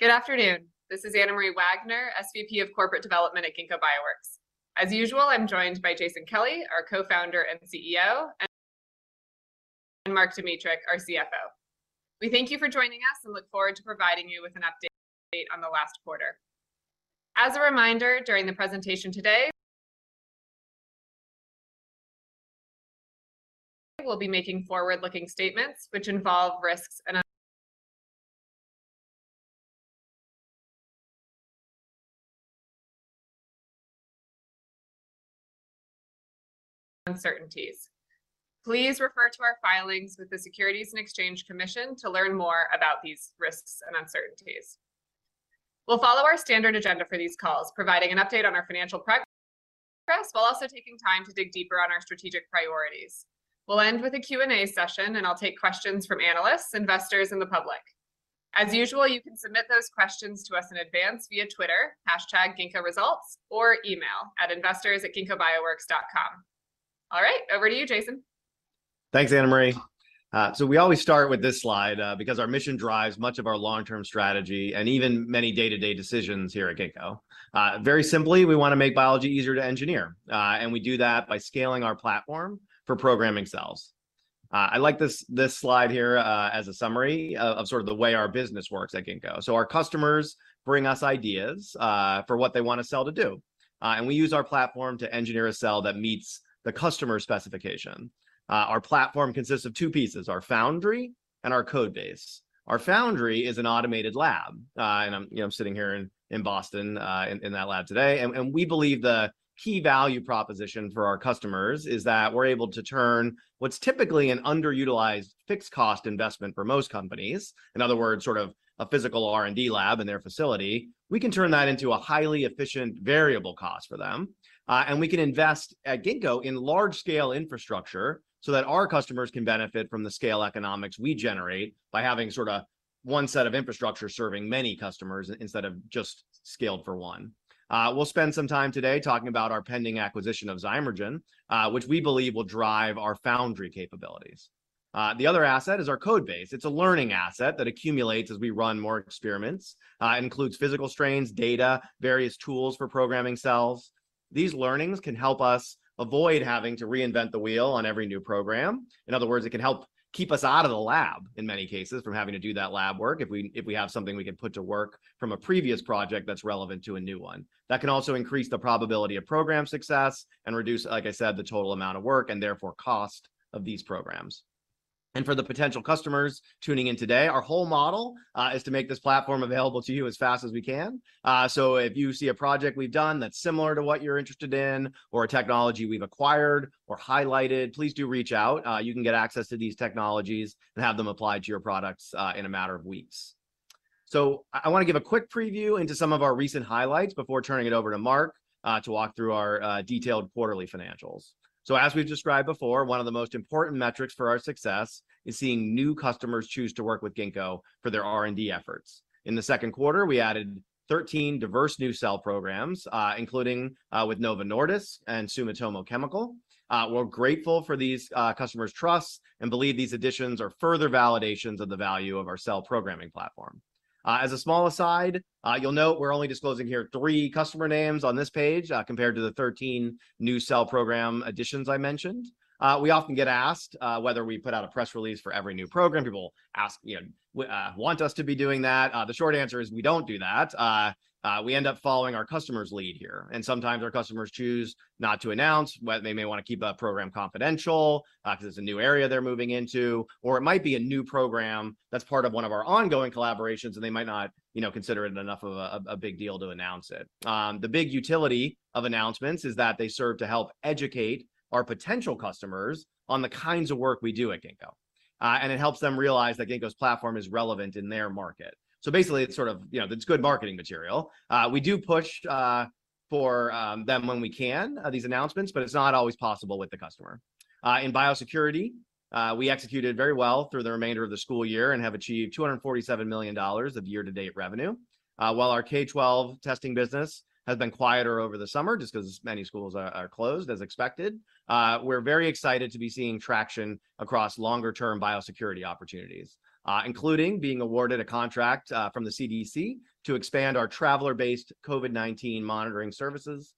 Good afternoon. This is Anna Marie Wagner, SVP of Corporate Development at Ginkgo Bioworks. As usual, I'm joined by Jason Kelly, our co-founder and CEO, and Mark Dmytruk, our CFO. We thank you for joining us and look forward to providing you with an update on the last quarter. As a reminder, during the presentation today we'll be making forward-looking statements which involve risks and uncertainties. Please refer to our filings with the Securities and Exchange Commission to learn more about these risks and uncertainties. We'll follow our standard agenda for these calls, providing an update on our financial progress while also taking time to dig deeper on our strategic priorities. We'll end with a Q&A session, and I'll take questions from analysts, investors, and the public. As usual, you can submit those questions to us in advance via Twitter, #ginkgoresults, or email at investors@ginkgobioworks.com. All right, over to you, Jason. Thanks, Anna Marie. We always start with this slide because our mission drives much of our long-term strategy and even many day-to-day decisions here at Ginkgo. Very simply, we want to make biology easier to engineer, and we do that by scaling our platform for programming cells. I like this slide here as a summary of sort of the way our business works at Ginkgo. Our customers bring us ideas for what they want a cell to do, and we use our platform to engineer a cell that meets the customer's specification. Our platform consists of two pieces, our foundry and our codebase. Our foundry is an automated lab, and you know, I'm sitting here in Boston in that lab today. We believe the key value proposition for our customers is that we're able to turn what's typically an underutilized fixed cost investment for most companies, in other words, sort of a physical R&D lab in their facility, we can turn that into a highly efficient variable cost for them. We can invest at Ginkgo in large scale infrastructure so that our customers can benefit from the economies of scale we generate by having sort of one set of infrastructure serving many customers instead of just scaled for one. We'll spend some time today talking about our pending acquisition of Zymergen, which we believe will drive our foundry capabilities. The other asset is our codebase. It's a learning asset that accumulates as we run more experiments. It includes physical strains, data, various tools for programming cells. These learnings can help us avoid having to reinvent the wheel on every new program. In other words, it can help keep us out of the lab in many cases from having to do that lab work if we have something we can put to work from a previous project that's relevant to a new one. That can also increase the probability of program success and reduce, like I said, the total amount of work and therefore cost of these programs. For the potential customers tuning in today, our whole model is to make this platform available to you as fast as we can. If you see a project we've done that's similar to what you're interested in or a technology we've acquired or highlighted, please do reach out. You can get access to these technologies and have them applied to your products in a matter of weeks. I wanna give a quick preview into some of our recent highlights before turning it over to Mark to walk through our detailed quarterly financials. As we've described before, one of the most important metrics for our success is seeing new customers choose to work with Ginkgo for their R&D efforts. In the second quarter, we added 13 diverse new cell programs, including with Novo Nordisk and Sumitomo Chemical. We're grateful for these customers' trust and believe these additions are further validations of the value of our cell programming platform. As a small aside, you'll note we're only disclosing here three customer names on this page compared to the 13 new cell program additions I mentioned. We often get asked whether we put out a press release for every new program. People ask, you know, want us to be doing that. The short answer is we don't do that. We end up following our customers' lead here, and sometimes our customers choose not to announce, they may want to keep a program confidential, 'cause it's a new area they're moving into, or it might be a new program that's part of one of our ongoing collaborations, and they might not consider it enough of a big deal to announce it. The big utility of announcements is that they serve to help educate our potential customers on the kinds of work we do at Ginkgo. It helps them realize that Ginkgo's platform is relevant in their market. Basically, it's sort of, you know, it's good marketing material. We do push for them when we can, these announcements, but it's not always possible with the customer. In biosecurity, we executed very well through the remainder of the school year and have achieved $247 million of year-to-date revenue. While our K-12 testing business has been quieter over the summer just 'cause many schools are closed as expected, we're very excited to be seeing traction across longer-term biosecurity opportunities, including being awarded a contract from the CDC to expand our traveler-based COVID-19 monitoring services,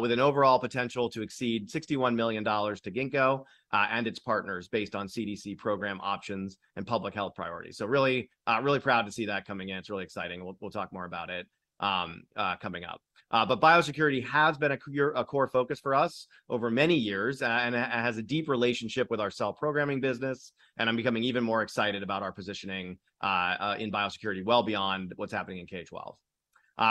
with an overall potential to exceed $61 million to Ginkgo and its partners based on CDC program options and public health priorities. Really proud to see that coming in. It's really exciting. We'll talk more about it coming up. Biosecurity has been a core focus for us over many years and has a deep relationship with our cell programming business, and I'm becoming even more excited about our positioning in biosecurity well beyond what's happening in K-12.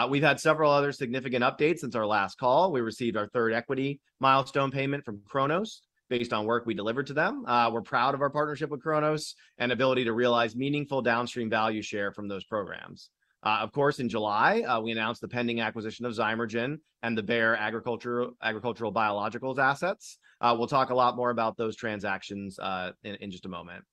We've had several other significant updates since our last call. We received our third equity milestone payment from Cronos based on work we delivered to them. We're proud of our partnership with Cronos and ability to realize meaningful downstream value share from those programs. Of course, in July, we announced the pending acquisition of Zymergen and the Bayer Agricultural Biologicals assets. We'll talk a lot more about those transactions in just a moment.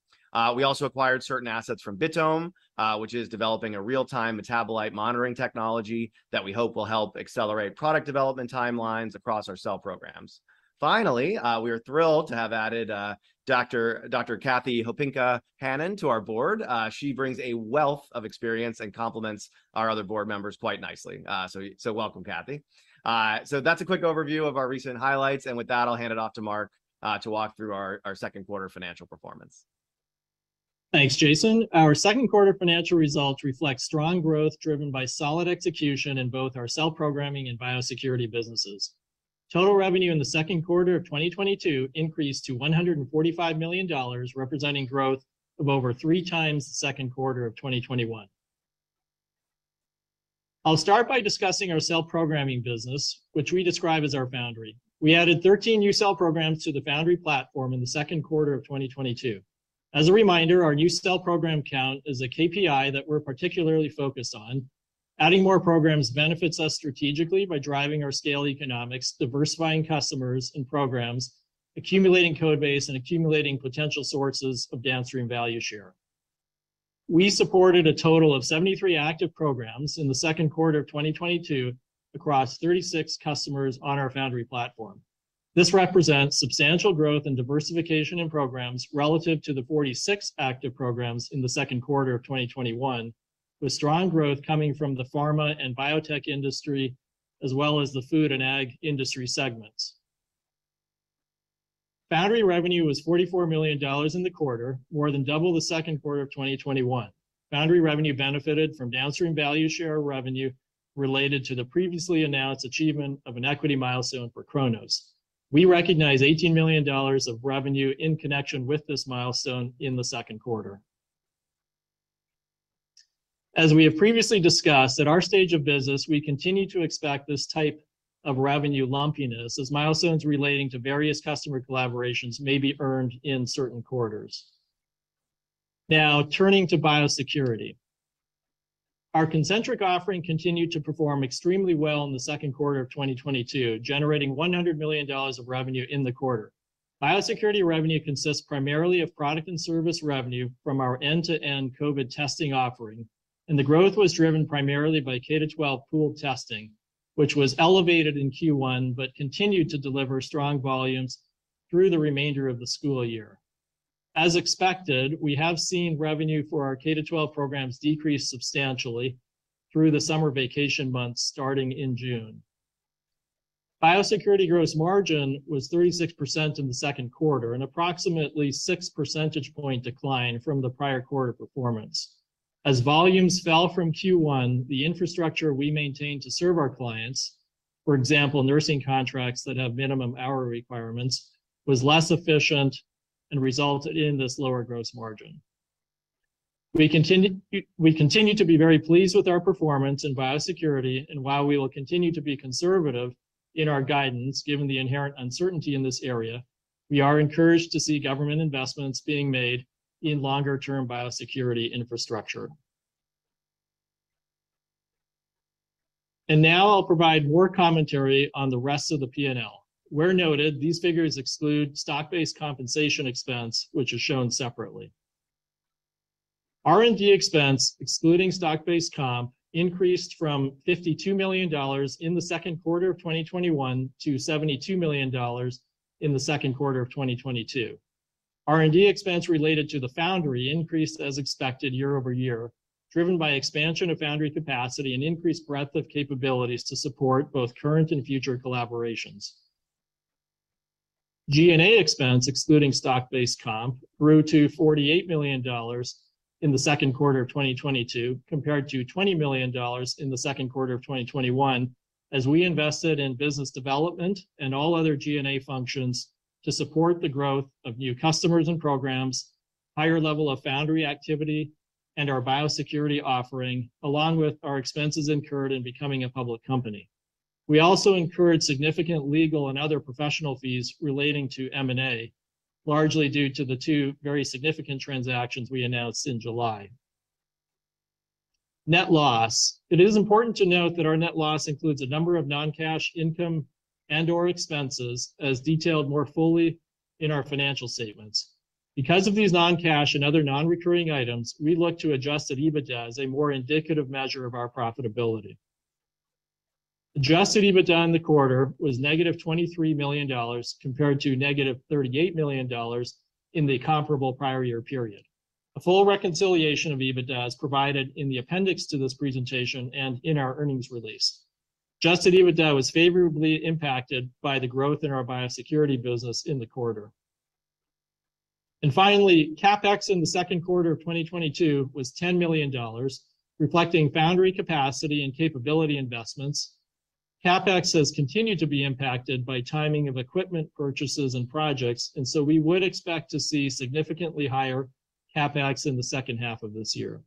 We also acquired certain assets from Bitome, which is developing a real-time metabolite monitoring technology that we hope will help accelerate product development timelines across our cell programs. Finally, we are thrilled to have added Dr. Kathy Hopinkah Hannan to our board. She brings a wealth of experience and complements our other board members quite nicely. Welcome, Kathy. That's a quick overview of our recent highlights, and with that, I'll hand it off to Mark to walk through our second quarter financial performance. Thanks, Jason. Our second quarter financial results reflect strong growth driven by solid execution in both our cell programming and biosecurity businesses. Total revenue in the second quarter of 2022 increased to $145 million, representing growth of over 3x the second quarter of 2021. I'll start by discussing our cell programming business, which we describe as our foundry. We added 13 new cell programs to the foundry platform in the second quarter of 2022. As a reminder, our new cell program count is a KPI that we're particularly focused on. Adding more programs benefits us strategically by driving our scale economics, diversifying customers and programs, accumulating codebase, and accumulating potential sources of downstream value share. We supported a total of 73 active programs in the second quarter of 2022 across 36 customers on our foundry platform. This represents substantial growth and diversification in programs relative to the 46 active programs in the second quarter of 2021, with strong growth coming from the pharma and biotech industry as well as the food and ag industry segments. Foundry revenue was $44 million in the quarter, more than double the second quarter of 2021. Foundry revenue benefited from downstream value share revenue related to the previously announced achievement of an equity milestone for Cronos. We recognize $18 million of revenue in connection with this milestone in the second quarter. As we have previously discussed, at our stage of business, we continue to expect this type of revenue lumpiness as milestones relating to various customer collaborations may be earned in certain quarters. Now, turning to biosecurity. Our Concentric offering continued to perform extremely well in the second quarter of 2022, generating $100 million of revenue in the quarter. Biosecurity revenue consists primarily of product and service revenue from our end-to-end COVID testing offering, and the growth was driven primarily by K-12 pooled testing, which was elevated in Q1 but continued to deliver strong volumes through the remainder of the school year. As expected, we have seen revenue for our K-12 programs decrease substantially through the summer vacation months starting in June. Biosecurity gross margin was 36% in the second quarter, an approximately six percentage point decline from the prior quarter performance. As volumes fell from Q1, the infrastructure we maintained to serve our clients, for example, nursing contracts that have minimum hour requirements, was less efficient and resulted in this lower gross margin. We continue to be very pleased with our performance in biosecurity, and while we will continue to be conservative in our guidance, given the inherent uncertainty in this area, we are encouraged to see government investments being made in longer-term biosecurity infrastructure. Now I'll provide more commentary on the rest of the P&L. Where noted, these figures exclude stock-based compensation expense, which is shown separately. R&D expense, excluding stock-based comp, increased from $52 million in the second quarter of 2021 to $72 million in the second quarter of 2022. R&D expense related to the foundry increased as expected year-over-year, driven by expansion of foundry capacity and increased breadth of capabilities to support both current and future collaborations. G&A expense excluding stock-based comp grew to $48 million in the second quarter of 2022 compared to $20 million in the second quarter of 2021 as we invested in business development and all other G&A functions to support the growth of new customers and programs, higher level of foundry activity, and our biosecurity offering, along with our expenses incurred in becoming a public company. We also incurred significant legal and other professional fees relating to M&A, largely due to the two very significant transactions we announced in July. Net loss. It is important to note that our net loss includes a number of non-cash income and/or expenses as detailed more fully in our financial statements. Because of these non-cash and other non-recurring items, we look to adjusted EBITDA as a more indicative measure of our profitability. Adjusted EBITDA in the quarter was -$23 million compared to -$38 million in the comparable prior year period. A full reconciliation of EBITDA is provided in the appendix to this presentation and in our earnings release. Adjusted EBITDA was favorably impacted by the growth in our biosecurity business in the quarter. Finally, CapEx in the second quarter of 2022 was $10 million, reflecting foundry capacity and capability investments. CapEx has continued to be impacted by timing of equipment purchases and projects, and so we would expect to see significantly higher CapEx in the second half of this year.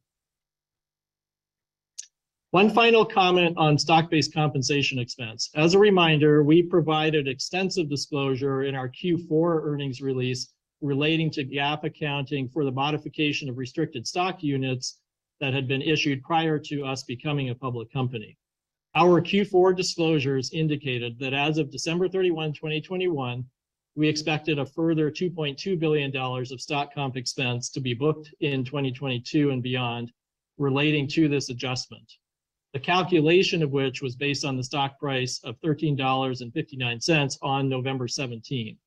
One final comment on stock-based compensation expense. As a reminder, we provided extensive disclosure in our Q4 earnings release relating to GAAP accounting for the modification of restricted stock units that had been issued prior to us becoming a public company. Our Q4 disclosures indicated that as of December 31, 2021, we expected a further $2.2 billion of stock comp expense to be booked in 2022 and beyond relating to this adjustment, the calculation of which was based on the stock price of $13.59 on November 17,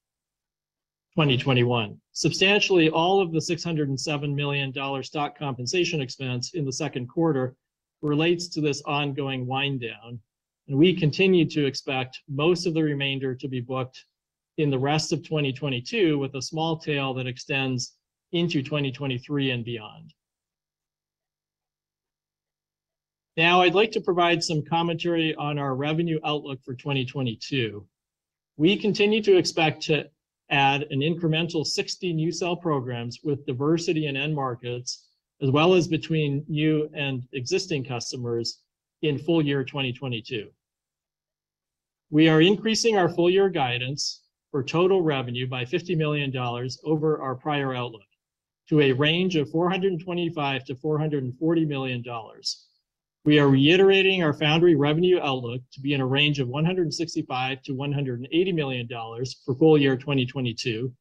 2021. Substantially all of the $607 million stock compensation expense in the second quarter relates to this ongoing wind down, and we continue to expect most of the remainder to be booked in the rest of 2022 with a small tail that extends into 2023 and beyond. Now I'd like to provide some commentary on our revenue outlook for 2022. We continue to expect to add an incremental 60 new cell programs with diversity in end markets as well as between new and existing customers in full year 2022. We are increasing our full year guidance for total revenue by $50 million over our prior outlook to a range of $425 million-$440 million. We are reiterating our foundry revenue outlook to be in a range of $165 million-$180 million for full year 2022.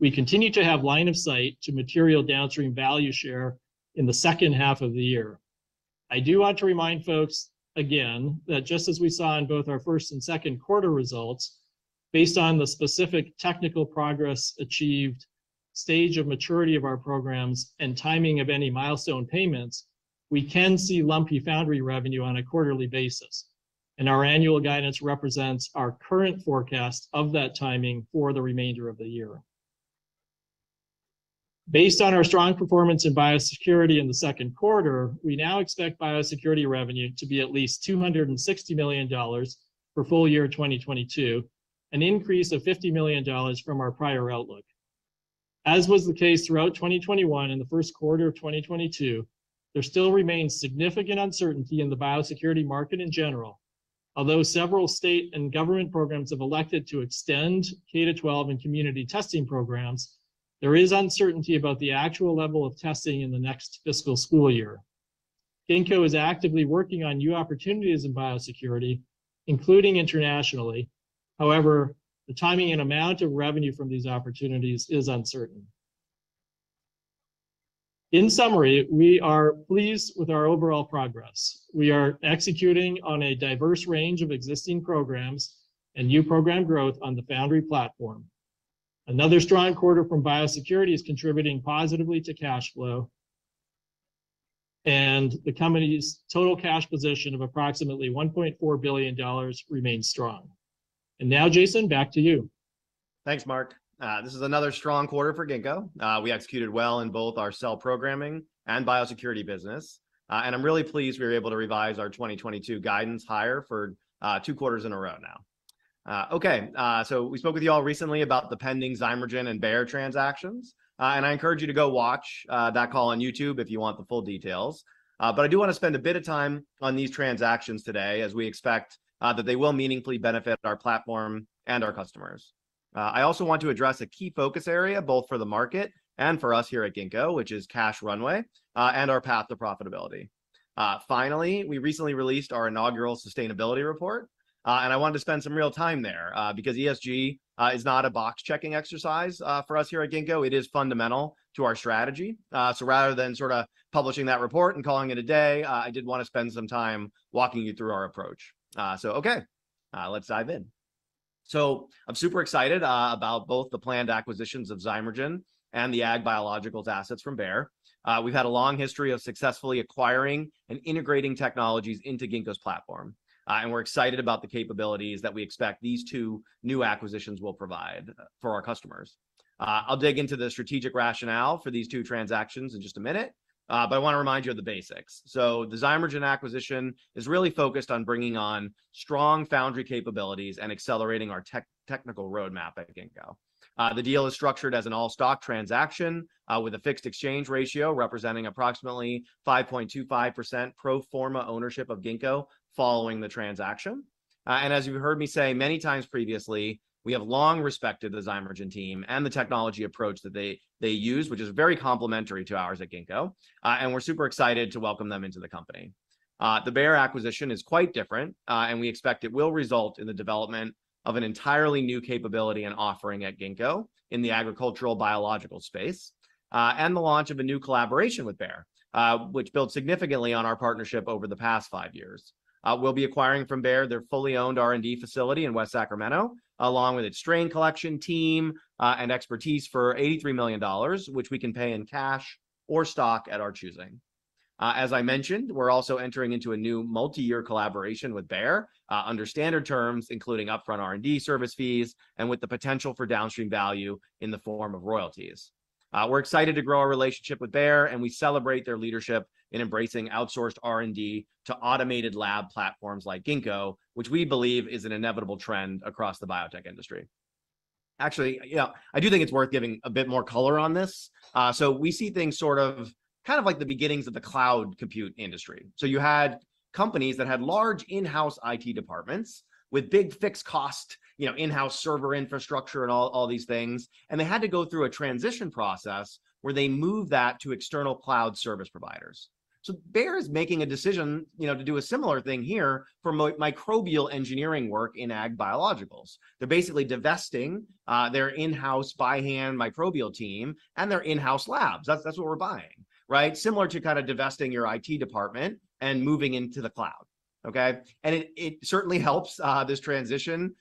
We continue to have line of sight to material downstream value share in the second half of the year. I do want to remind folks again that just as we saw in both our first and second quarter results, based on the specific technical progress achieved, stage of maturity of our programs, and timing of any milestone payments, we can see lumpy foundry revenue on a quarterly basis. Our annual guidance represents our current forecast of that timing for the remainder of the year. Based on our strong performance in biosecurity in the second quarter, we now expect biosecurity revenue to be at least $260 million for full year 2022, an increase of $50 million from our prior outlook. As was the case throughout 2021 and the first quarter of 2022, there still remains significant uncertainty in the biosecurity market in general. Although several state and government programs have elected to extend K-12 and community testing programs, there is uncertainty about the actual level of testing in the next fiscal school year. Ginkgo is actively working on new opportunities in biosecurity, including internationally. However, the timing and amount of revenue from these opportunities is uncertain. In summary, we are pleased with our overall progress. We are executing on a diverse range of existing programs and new program growth on the foundry platform. Another strong quarter from biosecurity is contributing positively to cash flow, and the company's total cash position of approximately $1.4 billion remains strong. Now, Jason, back to you. Thanks, Mark. This is another strong quarter for Ginkgo. We executed well in both our cell programming and biosecurity business. I'm really pleased we were able to revise our 2022 guidance higher for two quarters in a row now. Okay. We spoke with you all recently about the pending Zymergen and Bayer transactions. I encourage you to go watch that call on YouTube if you want the full details. I do want to spend a bit of time on these transactions today as we expect that they will meaningfully benefit our platform and our customers. I also want to address a key focus area, both for the market and for us here at Ginkgo, which is cash runway and our path to profitability. Finally, we recently released our inaugural sustainability report, and I wanted to spend some real time there, because ESG is not a box-checking exercise for us here at Ginkgo. It is fundamental to our strategy. Rather than sort of publishing that report and calling it a day, I did wanna spend some time walking you through our approach. Okay, let's dive in. I'm super excited about both the planned acquisitions of Zymergen and the ag biologicals assets from Bayer. We've had a long history of successfully acquiring and integrating technologies into Ginkgo's platform. We're excited about the capabilities that we expect these two new acquisitions will provide for our customers. I'll dig into the strategic rationale for these two transactions in just a minute, but I wanna remind you of the basics. The Zymergen acquisition is really focused on bringing on strong foundry capabilities and accelerating our technical roadmap at Ginkgo. The deal is structured as an all-stock transaction, with a fixed exchange ratio representing approximately 5.25% pro forma ownership of Ginkgo following the transaction. As you heard me say many times previously, we have long respected the Zymergen team and the technology approach that they use, which is very complementary to ours at Ginkgo. We're super excited to welcome them into the company. The Bayer acquisition is quite different, and we expect it will result in the development of an entirely new capability and offering at Ginkgo in the agricultural biological space, and the launch of a new collaboration with Bayer, which builds significantly on our partnership over the past five years. We'll be acquiring from Bayer their fully owned R&D facility in West Sacramento, along with its strain collection team, and expertise for $83 million, which we can pay in cash or stock at our choosing. As I mentioned, we're also entering into a new multi-year collaboration with Bayer, under standard terms, including upfront R&D service fees and with the potential for downstream value in the form of royalties. We're excited to grow our relationship with Bayer, and we celebrate their leadership in embracing outsourced R&D to automated lab platforms like Ginkgo, which we believe is an inevitable trend across the biotech industry. Actually, you know, I do think it's worth giving a bit more color on this. We see things sort of, kind of like the beginnings of the cloud compute industry. You had companies that had large in-house IT departments with big fixed cost, you know, in-house server infrastructure and all these things, and they had to go through a transition process where they moved that to external cloud service providers. Bayer is making a decision, you know, to do a similar thing here for microbial engineering work in ag biologicals. They're basically divesting their in-house by-hand microbial team and their in-house labs. That's what we're buying, right? Similar to kinda divesting your IT department and moving into the cloud. Okay? It certainly helps this transition,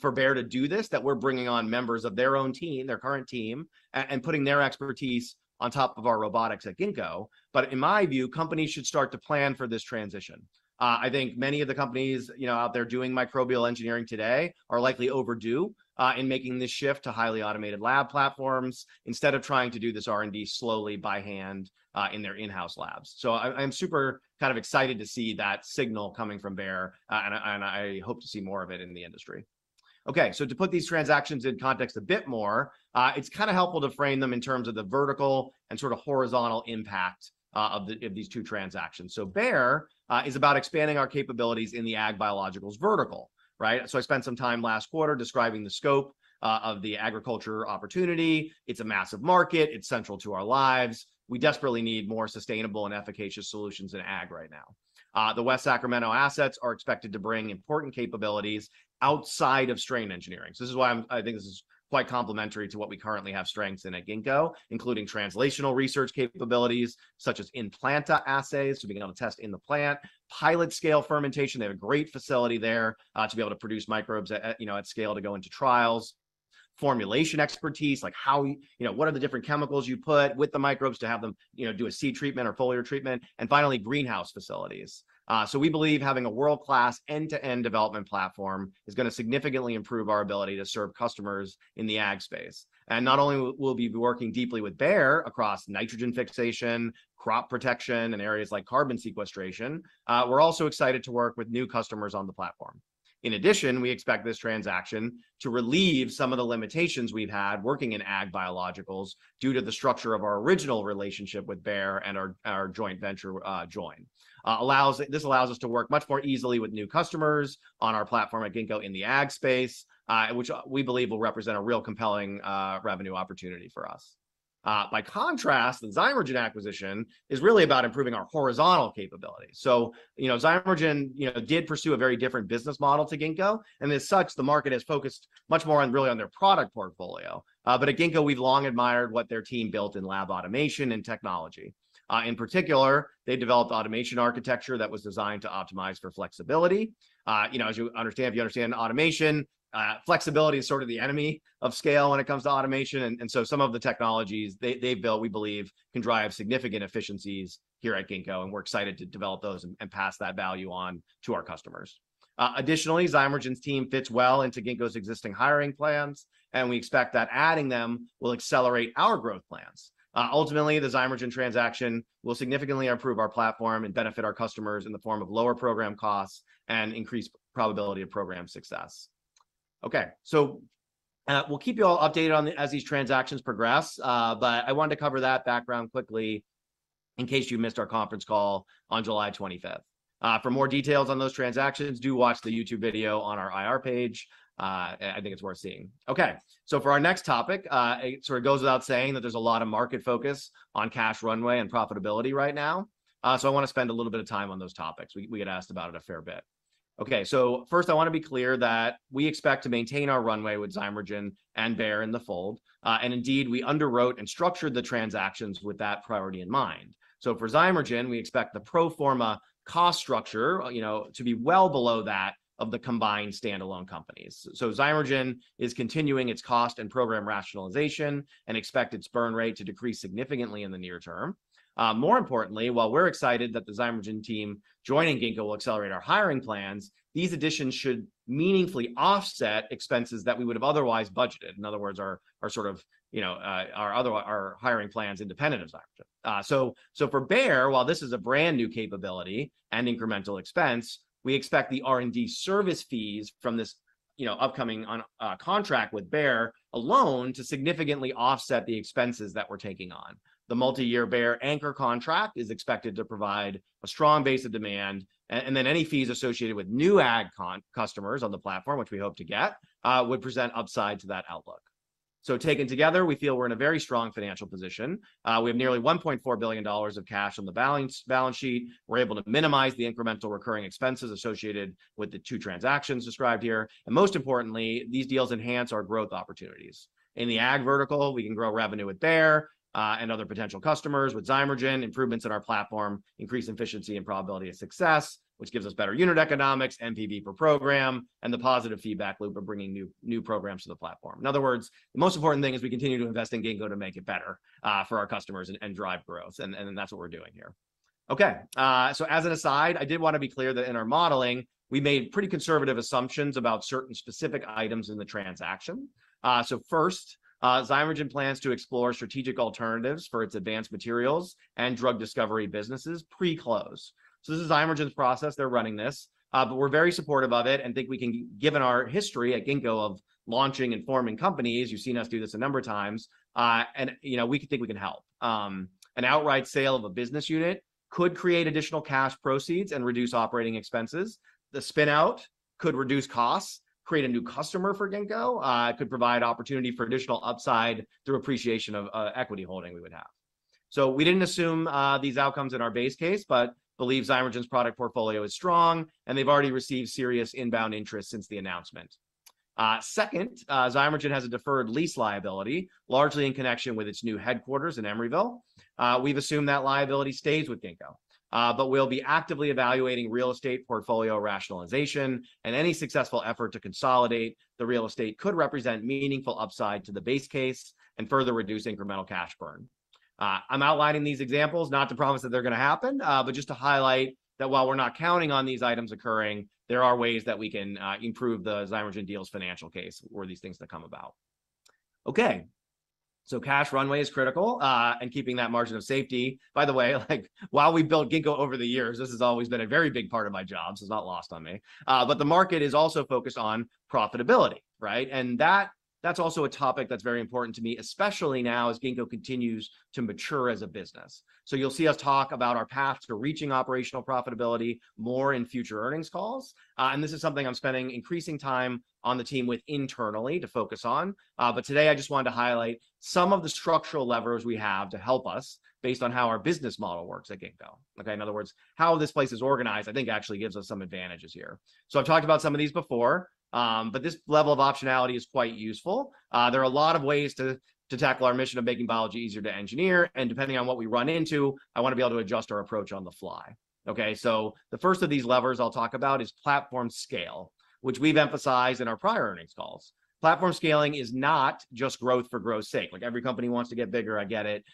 for Bayer to do this, that we're bringing on members of their own team, their current team and putting their expertise on top of our robotics at Ginkgo. In my view, companies should start to plan for this transition. I think many of the companies, you know, out there doing microbial engineering today are likely overdue in making this shift to highly automated lab platforms instead of trying to do this R&D slowly by hand in their in-house labs. I'm super kind of excited to see that signal coming from Bayer, and I hope to see more of it in the industry. Okay. To put these transactions in context a bit more, it's kind of helpful to frame them in terms of the vertical and sort of horizontal impact of these two transactions. Bayer is about expanding our capabilities in the ag biologicals vertical, right? I spent some time last quarter describing the scope of the agriculture opportunity. It's a massive market. It's central to our lives. We desperately need more sustainable and efficacious solutions in ag right now. The West Sacramento assets are expected to bring important capabilities outside of strain engineering. I think this is quite complementary to what we currently have strengths in at Ginkgo, including translational research capabilities such as in planta assays, so being able to test in the plant, pilot scale fermentation, they have a great facility there, to be able to produce microbes at, you know, at scale to go into trials. Formulation expertise, like you know what are the different chemicals you put with the microbes to have them, you know, do a seed treatment or foliar treatment, and finally, greenhouse facilities. We believe having a world-class end-to-end development platform is gonna significantly improve our ability to serve customers in the ag space. Not only will we be working deeply with Bayer across nitrogen fixation, crop protection, and areas like carbon sequestration, we're also excited to work with new customers on the platform. In addition, we expect this transaction to relieve some of the limitations we've had working in ag biologicals due to the structure of our original relationship with Bayer and our joint venture. This allows us to work much more easily with new customers on our platform at Ginkgo in the ag space, which we believe will represent a real compelling revenue opportunity for us. By contrast, the Zymergen acquisition is really about improving our horizontal capabilities. You know, Zymergen, you know, did pursue a very different business model to Ginkgo, and as such, the market has focused much more on really on their product portfolio. At Ginkgo, we've long admired what their team built in lab automation and technology. In particular, they developed automation architecture that was designed to optimize for flexibility. You know, as you understand, if you understand automation, flexibility is sort of the enemy of scale when it comes to automation. Some of the technologies they've built, we believe can drive significant efficiencies here at Ginkgo, and we're excited to develop those and pass that value on to our customers. Additionally, Zymergen's team fits well into Ginkgo's existing hiring plans, and we expect that adding them will accelerate our growth plans. Ultimately, the Zymergen transaction will significantly improve our platform and benefit our customers in the form of lower program costs and increased probability of program success. Okay. We'll keep you all updated as these transactions progress, but I wanted to cover that background quickly in case you missed our conference call on July 25. For more details on those transactions, do watch the YouTube video on our IR page. I think it's worth seeing. Okay. For our next topic, it sort of goes without saying that there's a lot of market focus on cash runway and profitability right now. I wanna spend a little bit of time on those topics. We get asked about it a fair bit. Okay. First I wanna be clear that we expect to maintain our runway with Zymergen and Bayer in the fold. Indeed, we underwrote and structured the transactions with that priority in mind. For Zymergen, we expect the pro forma cost structure, you know, to be well below that of the combined standalone companies. Zymergen is continuing its cost and program rationalization and expect its burn rate to decrease significantly in the near term. More importantly, while we're excited that the Zymergen team joining Ginkgo will accelerate our hiring plans, these additions should meaningfully offset expenses that we would have otherwise budgeted. In other words, our sort of, you know, hiring plans independent of Zymergen. For Bayer, while this is a brand-new capability and incremental expense, we expect the R&D service fees from this, you know, upcoming contract with Bayer alone to significantly offset the expenses that we're taking on. The multi-year Bayer anchor contract is expected to provide a strong base of demand, and then any fees associated with new ag customers on the platform, which we hope to get, would present upside to that outlook. Taken together, we feel we're in a very strong financial position. We have nearly $1.4 billion of cash on the balance sheet. We're able to minimize the incremental recurring expenses associated with the two transactions described here. Most importantly, these deals enhance our growth opportunities. In the ag vertical, we can grow revenue with Bayer and other potential customers. With Zymergen, improvements in our platform increase efficiency and probability of success, which gives us better unit economics, NPV per program, and the positive feedback loop of bringing new programs to the platform. In other words, the most important thing is we continue to invest in Ginkgo to make it better for our customers and drive growth. That's what we're doing here. Okay. As an aside, I did wanna be clear that in our modeling, we made pretty conservative assumptions about certain specific items in the transaction. First, Zymergen plans to explore strategic alternatives for its advanced materials and drug discovery businesses pre-close. This is Zymergen's process. They're running this, but we're very supportive of it and think we can, given our history at Ginkgo of launching and forming companies, you've seen us do this a number of times, and you know, we think we can help. An outright sale of a business unit could create additional cash proceeds and reduce operating expenses. The spin-out could reduce costs, create a new customer for Ginkgo, it could provide opportunity for additional upside through appreciation of equity holding we would have. We didn't assume these outcomes in our base case, but believe Zymergen's product portfolio is strong, and they've already received serious inbound interest since the announcement. Second, Zymergen has a deferred lease liability, largely in connection with its new headquarters in Emeryville. We've assumed that liability stays with Ginkgo. But we'll be actively evaluating real estate portfolio rationalization, and any successful effort to consolidate the real estate could represent meaningful upside to the base case and further reduce incremental cash burn. I'm outlining these examples not to promise that they're gonna happen, but just to highlight that while we're not counting on these items occurring, there are ways that we can improve the Zymergen deal's financial case were these things to come about. Okay. Cash runway is critical, and keeping that margin of safety. By the way, like while we built Ginkgo over the years, this has always been a very big part of my job, so it's not lost on me. The market is also focused on profitability, right? That's also a topic that's very important to me, especially now as Ginkgo continues to mature as a business. You'll see us talk about our path to reaching operational profitability more in future earnings calls. This is something I'm spending increasing time on the team with internally to focus on. Today I just wanted to highlight some of the structural levers we have to help us based on how our business model works at Ginkgo. Okay, in other words, how this place is organized, I think actually gives us some advantages here. I've talked about some of these before, but this level of optionality is quite useful. There are a lot of ways to tackle our mission of making biology easier to engineer, and depending on what we run into, I wanna be able to adjust our approach on the fly. Okay. The first of these levers I'll talk about is platform scale, which we've emphasized in our prior earnings calls. Platform scaling is not just growth for growth's sake. Like, every company wants to get bigger, I get it.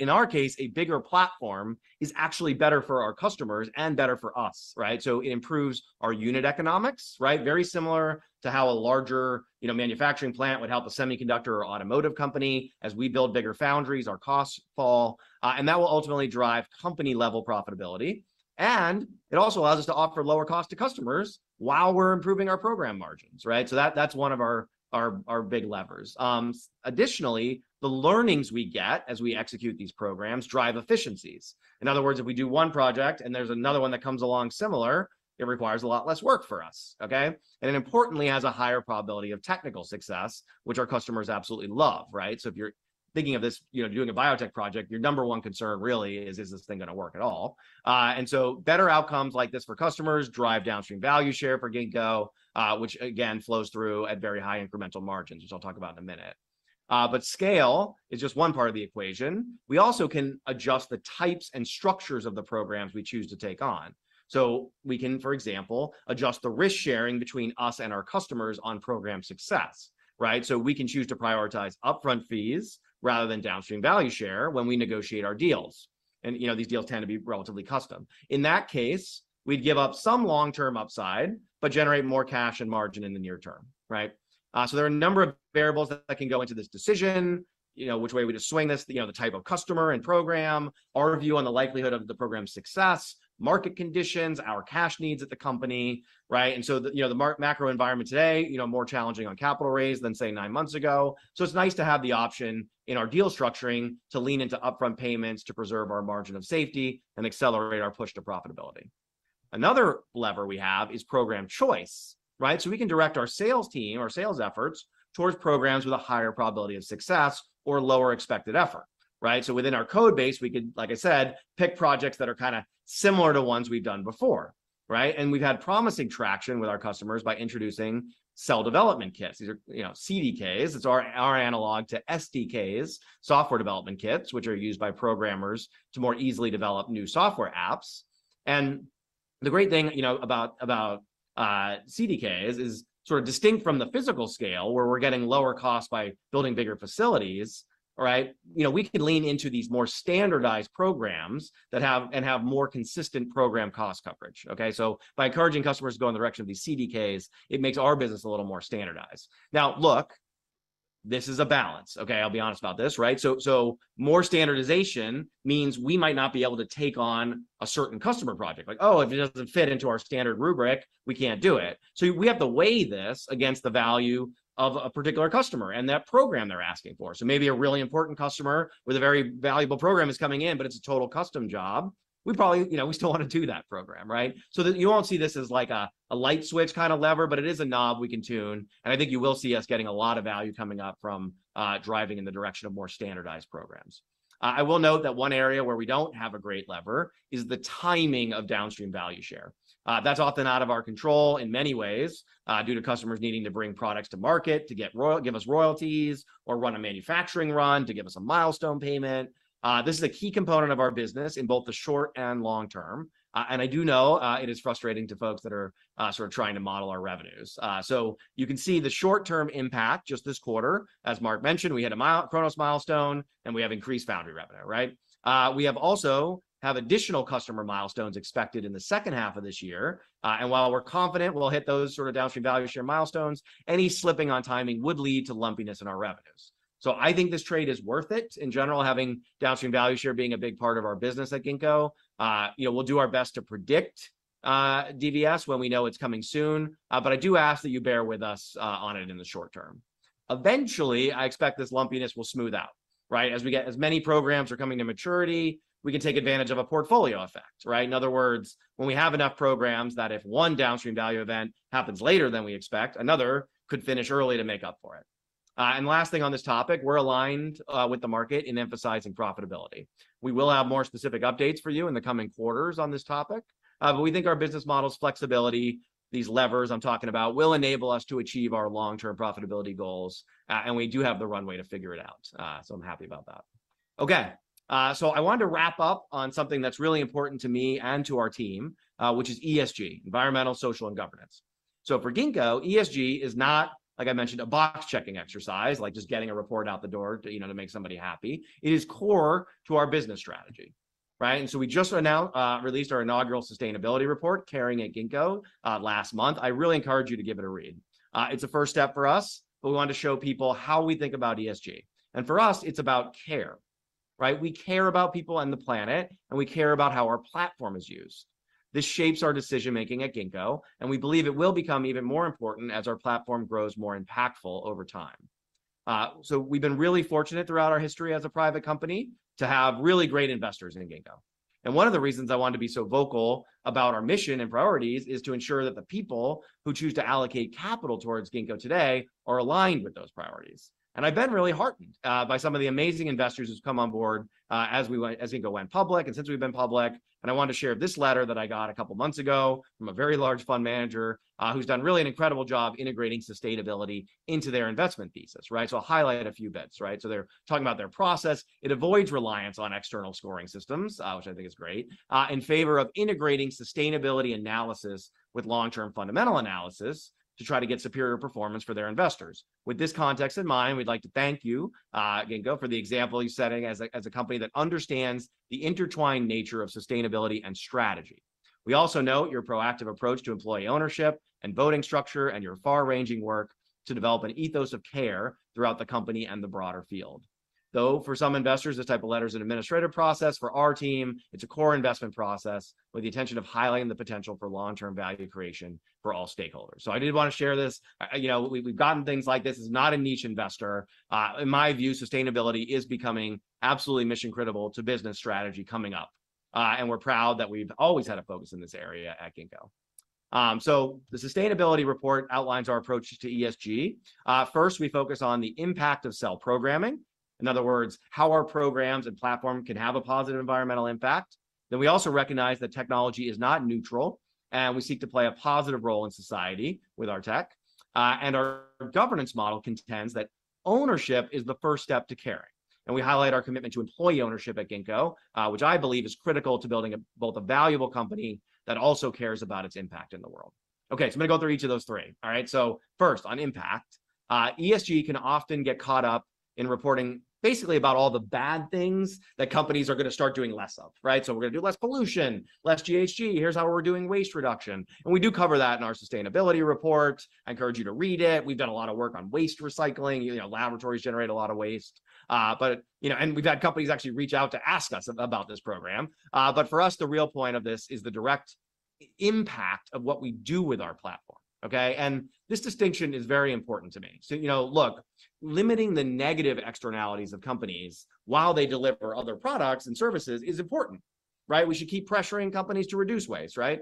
In our case, a bigger platform is actually better for our customers and better for us, right? It improves our unit economics, right, very similar to how a larger, you know, manufacturing plant would help a semiconductor or automotive company. As we build bigger foundries, our costs fall. That will ultimately drive company-level profitability. It also allows us to offer lower cost to customers while we're improving our program margins, right? That, that's one of our big levers. Additionally, the learnings we get as we execute these programs drive efficiencies. In other words, if we do one project and there's another one that comes along similar, it requires a lot less work for us, okay? It importantly has a higher probability of technical success, which our customers absolutely love, right? If you're thinking of this, you know, doing a biotech project, your number one concern really is this thing gonna work at all? Better outcomes like this for customers drive downstream value share for Ginkgo, which again flows through at very high incremental margins, which I'll talk about in a minute. Scale is just one part of the equation. We also can adjust the types and structures of the programs we choose to take on. We can, for example, adjust the risk-sharing between us and our customers on program success, right? We can choose to prioritize upfront fees rather than downstream value share when we negotiate our deals. You know, these deals tend to be relatively custom. In that case, we'd give up some long-term upside but generate more cash and margin in the near term, right? There are a number of variables that can go into this decision, you know, which way we just swing this, you know, the type of customer and program, our view on the likelihood of the program's success, market conditions, our cash needs at the company, right? The macro environment today, you know, more challenging on capital raise than, say, 9 months ago. It's nice to have the option in our deal structuring to lean into upfront payments to preserve our margin of safety and accelerate our push to profitability. Another lever we have is program choice, right? We can direct our sales team, our sales efforts towards programs with a higher probability of success or lower expected effort, right? Within our codebase, we could, like I said, pick projects that are kinda similar to ones we've done before, right? We've had promising traction with our customers by introducing Cell Development Kits. These are, you know, CDKs. It's our analog to SDKs, Software Development Kits, which are used by programmers to more easily develop new software apps. The great thing, you know, about CDKs is sort of distinct from the physical scale where we're getting lower costs by building bigger facilities, right? You know, we could lean into these more standardized programs that have more consistent program cost coverage. Okay? By encouraging customers to go in the direction of these CDKs, it makes our business a little more standardized. Now, look, this is a balance, okay? I'll be honest about this, right? More standardization means we might not be able to take on a certain customer project. Like, oh, if it doesn't fit into our standard rubric, we can't do it. We have to weigh this against the value of a particular customer and that program they're asking for. Maybe a really important customer with a very valuable program is coming in, but it's a total custom job. We probably, you know, we still want to do that program, right? You won't see this as like a light switch kinda lever, but it is a knob we can tune, and I think you will see us getting a lot of value coming up from driving in the direction of more standardized programs. I will note that one area where we don't have a great lever is the timing of downstream value share. That's often out of our control in many ways, due to customers needing to bring products to market to give us royalties or run a manufacturing run to give us a milestone payment. This is a key component of our business in both the short and long term. I do know it is frustrating to folks that are sort of trying to model our revenues. You can see the short-term impact just this quarter. As Mark mentioned, we had a Cronos milestone, and we have increased foundry revenue, right? We have additional customer milestones expected in the second half of this year. While we're confident we'll hit those sort of downstream value share milestones, any slipping on timing would lead to lumpiness in our revenues. I think this trade is worth it in general, having downstream value share being a big part of our business at Ginkgo. You know, we'll do our best to predict DVS when we know it's coming soon. But I do ask that you bear with us on it in the short term. Eventually, I expect this lumpiness will smooth out, right? As many programs are coming to maturity, we can take advantage of a portfolio effect, right? In other words, when we have enough programs that if one downstream value event happens later than we expect, another could finish early to make up for it. Last thing on this topic, we're aligned with the market in emphasizing profitability. We will have more specific updates for you in the coming quarters on this topic, but we think our business model's flexibility, these levers I'm talking about, will enable us to achieve our long-term profitability goals, and we do have the runway to figure it out, so I'm happy about that. Okay. I wanted to wrap up on something that's really important to me and to our team, which is ESG, environmental, social, and governance. For Ginkgo, ESG is not, like I mentioned, a box-checking exercise, like just getting a report out the door to, you know, to make somebody happy. It is core to our business strategy, right? We just released our inaugural sustainability report, Caring at Ginkgo, last month. I really encourage you to give it a read. It's a first step for us, but we wanted to show people how we think about ESG. For us, it's about care, right? We care about people and the planet, and we care about how our platform is used. This shapes our decision-making at Ginkgo, and we believe it will become even more important as our platform grows more impactful over time. We've been really fortunate throughout our history as a private company to have really great investors in Ginkgo. One of the reasons I wanted to be so vocal about our mission and priorities is to ensure that the people who choose to allocate capital towards Ginkgo today are aligned with those priorities. I've been really heartened by some of the amazing investors who've come on board, as Ginkgo went public, and since we've been public. I wanted to share this letter that I got a couple of months ago from a very large fund manager, who's done really an incredible job integrating sustainability into their investment thesis, right? I'll highlight a few bits, right? They're talking about their process. "It avoids reliance on external scoring systems," which I think is great, "in favor of integrating sustainability analysis with long-term fundamental analysis to try to get superior performance for their investors. With this context in mind, we'd like to thank you, Ginkgo, for the example you're setting as a company that understands the intertwined nature of sustainability and strategy. We also note your proactive approach to employee ownership and voting structure, and your far-ranging work to develop an ethos of care throughout the company and the broader field. Though for some investors, this type of letter is an administrative process, for our team, it's a core investment process with the intention of highlighting the potential for long-term value creation for all stakeholders. I did want to share this. You know, we've gotten things like this. This is not a niche investor. In my view, sustainability is becoming absolutely mission-critical to business strategy coming up, and we're proud that we've always had a focus in this area at Ginkgo. The sustainability report outlines our approach to ESG. First, we focus on the impact of cell programming. In other words, how our programs and platform can have a positive environmental impact. Then we also recognize that technology is not neutral, and we seek to play a positive role in society with our tech. Our governance model contends that ownership is the first step to caring. We highlight our commitment to employee ownership at Ginkgo, which I believe is critical to building both a valuable company that also cares about its impact in the world. Okay, I'm gonna go through each of those three. All right? First, on impact, ESG can often get caught up in reporting basically about all the bad things that companies are gonna start doing less of, right? We're gonna do less pollution, less GHG, here's how we're doing waste reduction. We do cover that in our sustainability report. I encourage you to read it. We've done a lot of work on waste recycling. You know, laboratories generate a lot of waste. But, you know, we've had companies actually reach out to ask us about this program. For us, the real point of this is the direct impact of what we do with our platform, okay? This distinction is very important to me. You know, look, limiting the negative externalities of companies while they deliver other products and services is important, right? We should keep pressuring companies to reduce waste, right?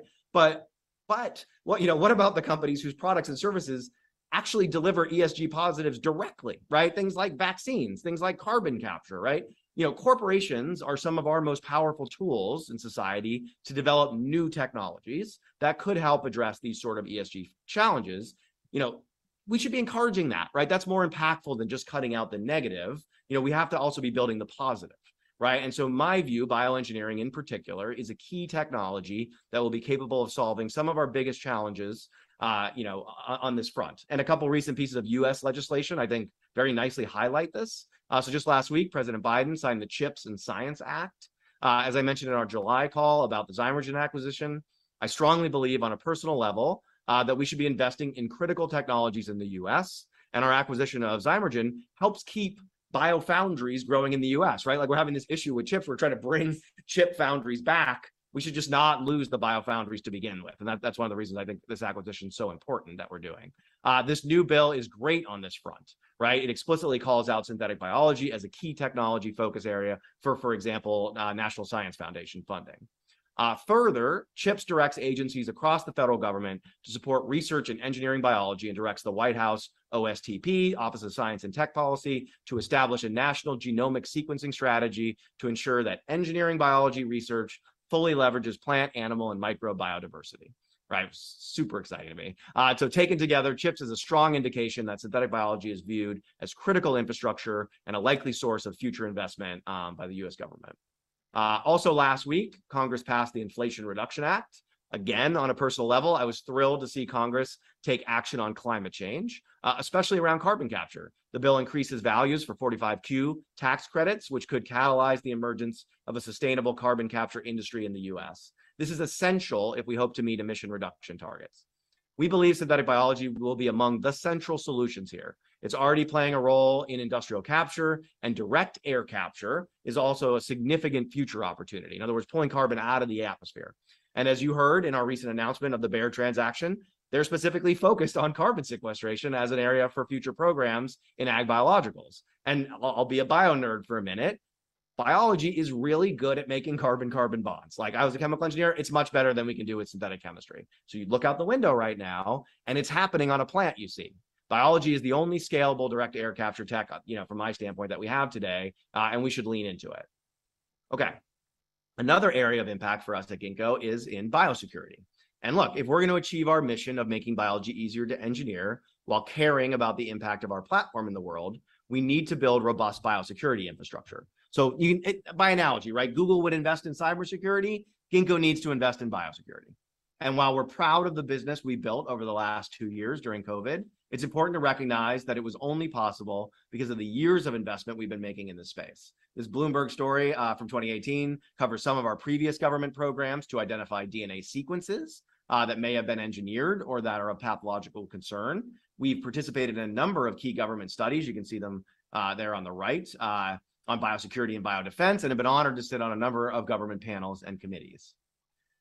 What, you know, what about the companies whose products and services actually deliver ESG positives directly, right? Things like vaccines, things like carbon capture, right? You know, corporations are some of our most powerful tools in society to develop new technologies that could help address these sort of ESG challenges. You know, we should be encouraging that, right? That's more impactful than just cutting out the negative. You know, we have to also be building the positive, right? In my view, bioengineering in particular is a key technology that will be capable of solving some of our biggest challenges, you know, on this front. A couple of recent pieces of U.S. legislation I think very nicely highlight this. Just last week, President Biden signed the CHIPS and Science Act. As I mentioned in our July call about the Zymergen acquisition, I strongly believe on a personal level, that we should be investing in critical technologies in the U.S., and our acquisition of Zymergen helps keep biofoundries growing in the U.S., right? Like we're having this issue with chips. We're trying to bring chip foundries back. We should just not lose the biofoundries to begin with. That, that's one of the reasons I think this acquisition is so important that we're doing. This new bill is great on this front, right? It explicitly calls out synthetic biology as a key technology focus area for example, National Science Foundation funding. Further, CHIPS directs agencies across the federal government to support research in engineering biology, and directs the White House OSTP, Office of Science and Technology Policy, to establish a national genomic sequencing strategy to ensure that engineering biology research fully leverages plant, animal, and microbiome biodiversity, right? Super exciting to me. Taken together, CHIPS is a strong indication that synthetic biology is viewed as critical infrastructure and a likely source of future investment, by the U.S. government. Also last week, Congress passed the Inflation Reduction Act. Again, on a personal level, I was thrilled to see Congress take action on climate change, especially around carbon capture. The bill increases values for 45Q tax credits, which could catalyze the emergence of a sustainable carbon capture industry in the U.S. This is essential if we hope to meet emission reduction targets. We believe synthetic biology will be among the central solutions here. It's already playing a role in industrial capture, and direct air capture is also a significant future opportunity. In other words, pulling carbon out of the atmosphere. As you heard in our recent announcement of the Bayer transaction, they're specifically focused on carbon sequestration as an area for future programs in ag biologicals. I'll be a bio nerd for a minute. Biology is really good at making carbon-carbon bonds. Like, I was a chemical engineer, it's much better than we can do with synthetic chemistry. You look out the window right now, and it's happening on a plant you see. Biology is the only scalable Direct Air Capture tech, you know, from my standpoint, that we have today, and we should lean into it. Okay. Another area of impact for us at Ginkgo is in biosecurity. Look, if we're going to achieve our mission of making biology easier to engineer while caring about the impact of our platform in the world, we need to build robust biosecurity infrastructure. By analogy, right? Google would invest in cybersecurity, Ginkgo needs to invest in biosecurity. While we're proud of the business we built over the last two years during COVID, it's important to recognize that it was only possible because of the years of investment we've been making in this space. This Bloomberg story from 2018 covers some of our previous government programs to identify DNA sequences that may have been engineered or that are of pathological concern. We've participated in a number of key government studies, you can see them there on the right on biosecurity and biodefense, and have been honored to sit on a number of government panels and committees.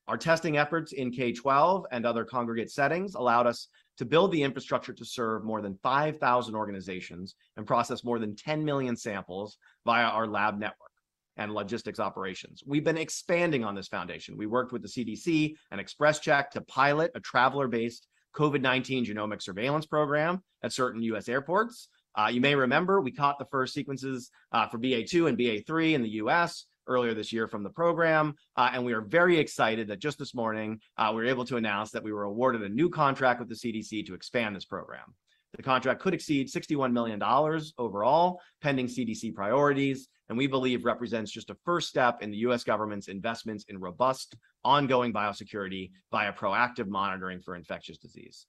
Our testing efforts in K-12 and other congregate settings allowed us to build the infrastructure to serve more than 5,000 organizations and process more than 10 million samples via our lab network and logistics operations. We've been expanding on this foundation. We worked with the CDC and XpresCheck to pilot a traveler-based COVID-19 genomic surveillance program at certain U.S. airports. You may remember we caught the first sequences for BA.2 and BA.3 in the U.S. earlier this year from the program. We are very excited that just this morning we were able to announce that we were awarded a new contract with the CDC to expand this program. The contract could exceed $61 million overall, pending CDC priorities, and we believe represents just a first step in the U.S. government's investments in robust, ongoing biosecurity via proactive monitoring for infectious disease.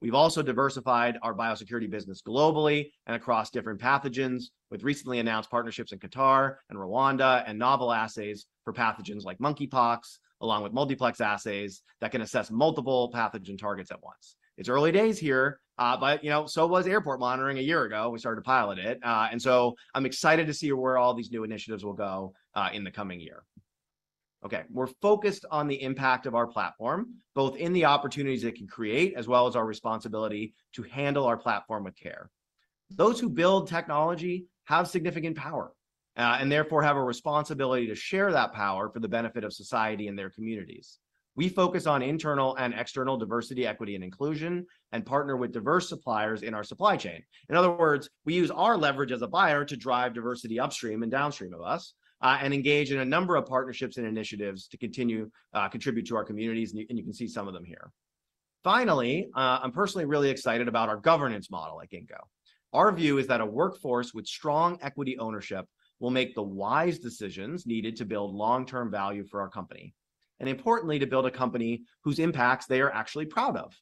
We've also diversified our biosecurity business globally and across different pathogens with recently announced partnerships in Qatar and Rwanda and novel assays for pathogens like monkeypox, along with multiplex assays that can assess multiple pathogen targets at once. It's early days here, but you know, so was airport monitoring a year ago when we started to pilot it. I'm excited to see where all these new initiatives will go in the coming year. We're focused on the impact of our platform, both in the opportunities it can create as well as our responsibility to handle our platform with care. Those who build technology have significant power and therefore have a responsibility to share that power for the benefit of society and their communities. We focus on internal and external diversity, equity, and inclusion, and partner with diverse suppliers in our supply chain. In other words, we use our leverage as a buyer to drive diversity upstream and downstream of us and engage in a number of partnerships and initiatives to continue contribute to our communities, and you can see some of them here. Finally, I'm personally really excited about our governance model at Ginkgo. Our view is that a workforce with strong equity ownership will make the wise decisions needed to build long-term value for our company, and importantly, to build a company whose impacts they are actually proud of,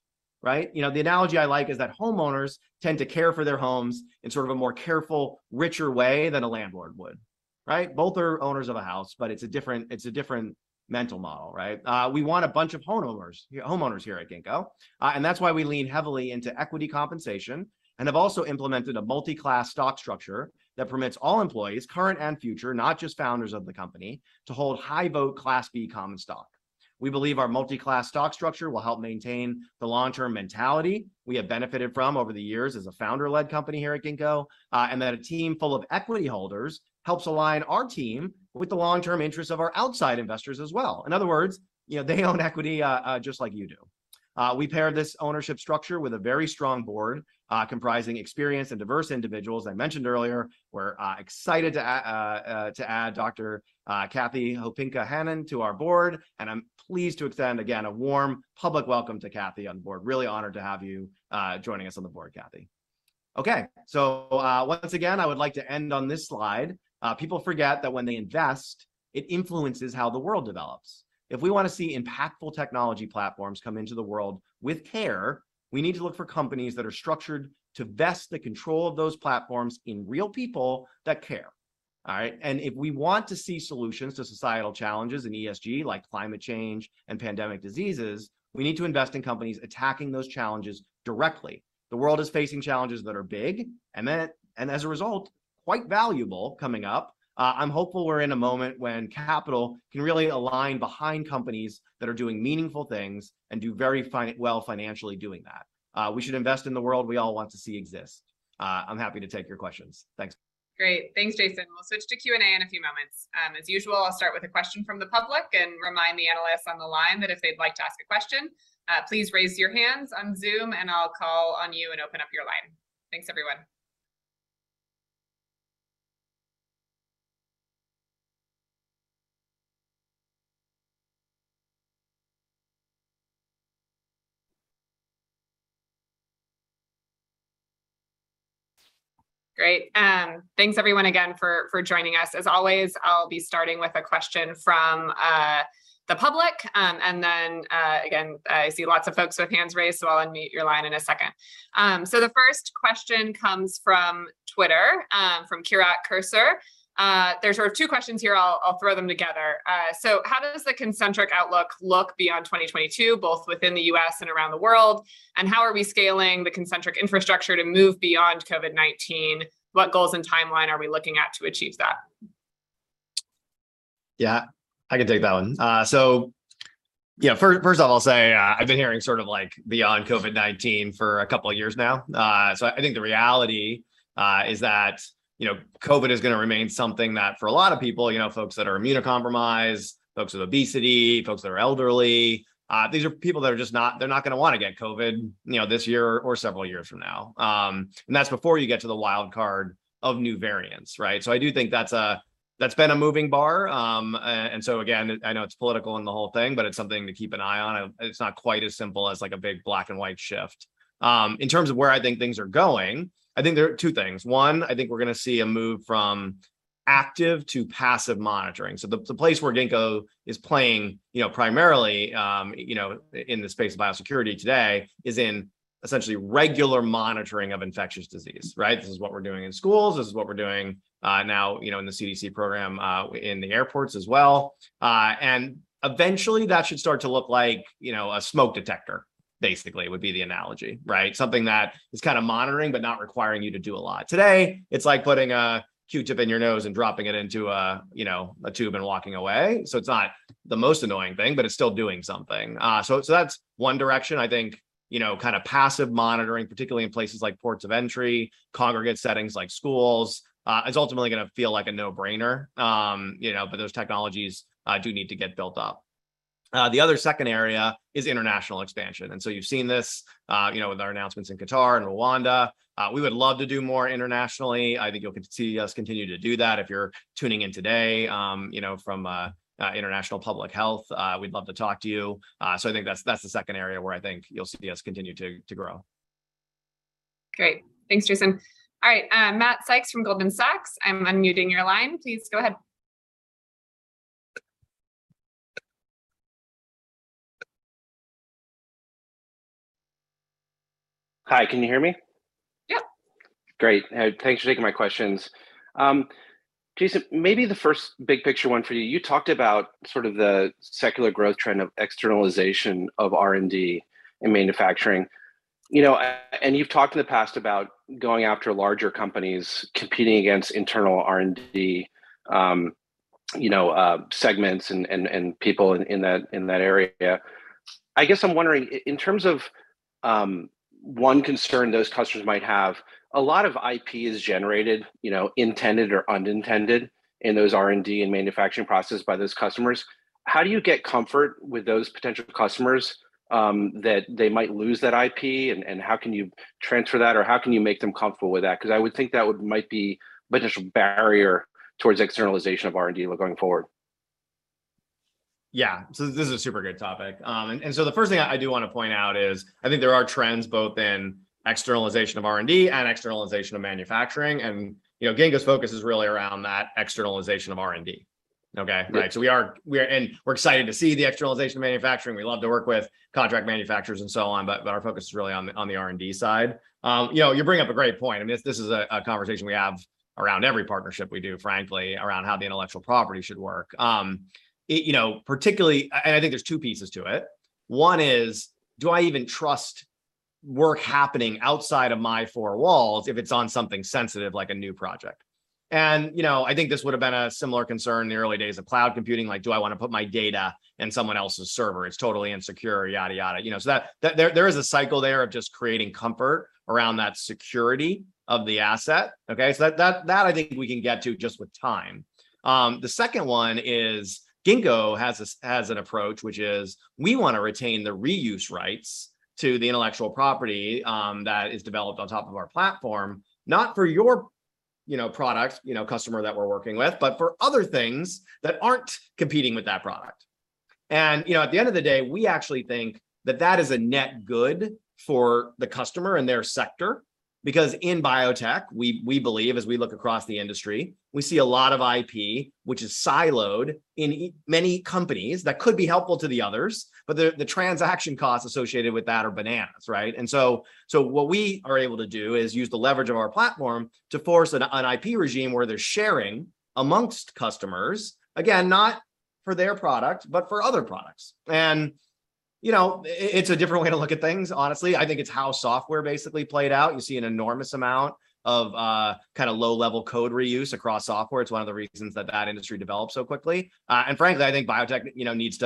right? You know, the analogy I like is that homeowners tend to care for their homes in sort of a more careful, richer way than a landlord would, right? Both are owners of a house, but it's a different mental model, right? We want a bunch of homeowners, yeah, homeowners here at Ginkgo. That's why we lean heavily into equity compensation and have also implemented a multi-class stock structure that permits all employees, current and future, not just founders of the company, to hold high-vote Class B common stock. We believe our multi-class stock structure will help maintain the long-term mentality we have benefited from over the years as a founder-led company here at Ginkgo, and that a team full of equity holders helps align our team with the long-term interests of our outside investors as well. In other words, you know, they own equity, just like you do. We pair this ownership structure with a very strong board, comprising experienced and diverse individuals. I mentioned earlier we're excited to add Dr. Kathy Hopinkah Hannan to our board, and I'm pleased to extend again a warm public welcome to Kathy on board. Really honored to have you joining us on the board, Kathy. Okay. Once again, I would like to end on this slide. People forget that when they invest, it influences how the world develops. If we want to see impactful technology platforms come into the world with care, we need to look for companies that are structured to vest the control of those platforms in real people that care. All right. If we want to see solutions to societal challenges in ESG, like climate change and pandemic diseases, we need to invest in companies attacking those challenges directly. The world is facing challenges that are big, and as a result, quite valuable coming up. I'm hopeful we're in a moment when capital can really align behind companies that are doing meaningful things and do very well financially doing that. We should invest in the world we all want to see exist. I'm happy to take your questions. Thanks. Great. Thanks, Jason. We'll switch to Q&A in a few moments. As usual, I'll start with a question from the public and remind the analysts on the line that if they'd like to ask a question, please raise your hands on Zoom, and I'll call on you and open up your line. Thanks, everyone. Great. Thanks everyone again for joining us. As always, I'll be starting with a question from the public. Again, I see lots of folks with hands raised, so I'll unmute your line in a second. So the first question comes from Twitter, from Kirat Kursor. There's sort of two questions here. I'll throw them together. So how does the Concentric outlook look beyond 2022, both within the U.S. and around the world? How are we scaling the Concentric infrastructure to move beyond COVID-19? What goals and timeline are we looking at to achieve that? Yeah, I can take that one. Yeah, first off I'll say I've been hearing sort of like beyond COVID-19 for a couple of years now. I think the reality is that, you know, COVID is gonna remain something that for a lot of people, you know, folks that are immunocompromised, folks with obesity, folks that are elderly, these are people that are just not gonna wanna get COVID, you know, this year or several years from now. That's before you get to the wild card of new variants, right? I do think that's been a moving bar. Again, I know it's political and the whole thing, but it's something to keep an eye on. It's not quite as simple as like a big black and white shift. In terms of where I think things are going, I think there are two things. One, I think we're gonna see a move from active to passive monitoring. The place where Ginkgo is playing, you know, primarily, you know, in the space of biosecurity today is in essentially regular monitoring of infectious disease, right? This is what we're doing in schools, this is what we're doing, now, you know, in the CDC program, in the airports as well. Eventually that should start to look like, you know, a smoke detector basically would be the analogy, right? Something that is kind of monitoring, but not requiring you to do a lot. Today, it's like putting a Q-tip in your nose and dropping it into a, you know, a tube and walking away. It's not the most annoying thing, but it's still doing something. That's one direction I think, you know, kind of passive monitoring, particularly in places like ports of entry, congregate settings like schools, is ultimately gonna feel like a no-brainer. Those technologies do need to get built up. The other second area is international expansion. You've seen this, you know, with our announcements in Qatar and Rwanda, we would love to do more internationally. I think you'll get to see us continue to do that. If you're tuning in today, you know, from international public health, we'd love to talk to you. I think that's the second area where I think you'll see us continue to grow. Great. Thanks, Jason. All right. Matthew Sykes from Goldman Sachs, I'm unmuting your line. Please go ahead. Hi, can you hear me? Yep. Great. Thanks for taking my questions. Jason, maybe the first big picture one for you talked about sort of the secular growth trend of externalization of R&D in manufacturing. You know, and you've talked in the past about going after larger companies competing against internal R&D, you know, segments and people in that area. I guess I'm wondering in terms of one concern those customers might have, a lot of IP is generated, you know, intended or unintended in those R&D and manufacturing processes by those customers. How do you get comfort with those potential customers that they might lose that IP and how can you transfer that or how can you make them comfortable with that? Because I would think that might be potential barrier towards externalization of R&D going forward. Yeah. This is a super good topic. The first thing I do wanna point out is I think there are trends both in externalization of R&D and externalization of manufacturing. You know, Ginkgo's focus is really around that externalization of R&D. Okay. Right. We are excited to see the externalization of manufacturing. We love to work with contract manufacturers and so on, but our focus is really on the R&D side. You know, you bring up a great point, and this is a conversation we have around every partnership we do, frankly, around how the intellectual property should work. You know, particularly, and I think there's two pieces to it. One is, do I even trust work happening outside of my four walls if it's on something sensitive like a new project? I think this would've been a similar concern in the early days of cloud computing, like, do I wanna put my data in someone else's server? It's totally insecure, yada. You know, that, there is a cycle there of just creating comfort around that security of the asset. Okay. That I think we can get to just with time. The second one is Ginkgo has an approach, which is we wanna retain the reuse rights to the intellectual property that is developed on top of our platform, not for your, you know, product, you know, customer that we're working with. For other things that aren't competing with that product. You know, at the end of the day, we actually think that that is a net good for the customer and their sector because in biotech, we believe as we look across the industry, we see a lot of IP, which is siloed in many companies that could be helpful to the others, but the transaction costs associated with that are bananas, right? So what we are able to do is use the leverage of our platform to force an IP regime where they're sharing among customers, again, not for their product, but for other products. You know, it's a different way to look at things, honestly. I think it's how software basically played out. You see an enormous amount of, kinda low level code reuse across software. It's one of the reasons that that industry developed so quickly. Frankly, I think biotech, you know, needs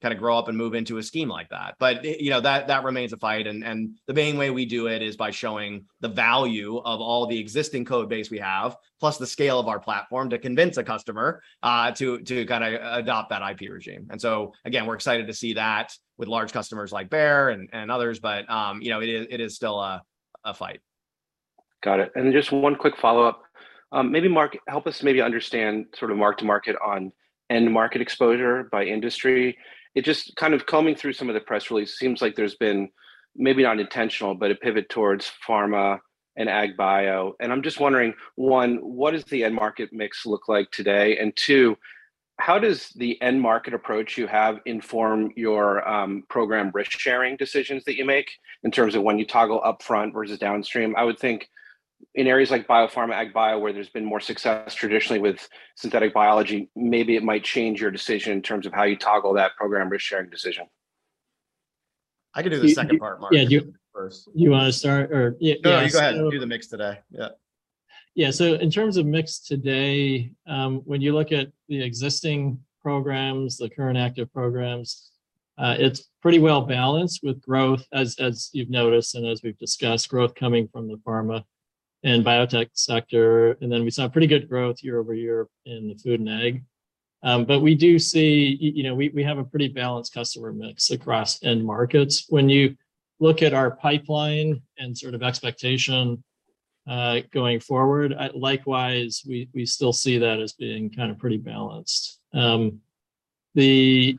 to kinda grow up and move into a scheme like that. You know, that remains a fight. The main way we do it is by showing the value of all the existing codebase we have, plus the scale of our platform to convince a customer to kinda adopt that IP regime. Again, we're excited to see that with large customers like Bayer and others, but you know, it is still a fight. Got it. Then just one quick follow-up. Maybe Mark, help us maybe understand sort of mark-to-market on end market exposure by industry. It just kind of combing through some of the press releases seems like there's been maybe not intentional, but a pivot towards pharma and ag bio, and I'm just wondering, one, what does the end market mix look like today? Two, how does the end market approach you have inform your program risk sharing decisions that you make in terms of when you toggle upfront versus downstream? I would think in areas like biopharma, ag bio, where there's been more success traditionally with synthetic biology, maybe it might change your decision in terms of how you toggle that program risk sharing decision. I can do the second part, Mark. Yeah. First. You wanna start or yeah. No, you go ahead and do the mix today. Yeah. Yeah. In terms of mix today, when you look at the existing programs, the current active programs, it's pretty well balanced with growth as you've noticed and as we've discussed, growth coming from the pharma and biotech sector. We saw pretty good growth year-over-year in the food and ag. We do see you know, we have a pretty balanced customer mix across end markets. When you look at our pipeline and sort of expectation going forward, likewise, we still see that as being kind of pretty balanced. Jason,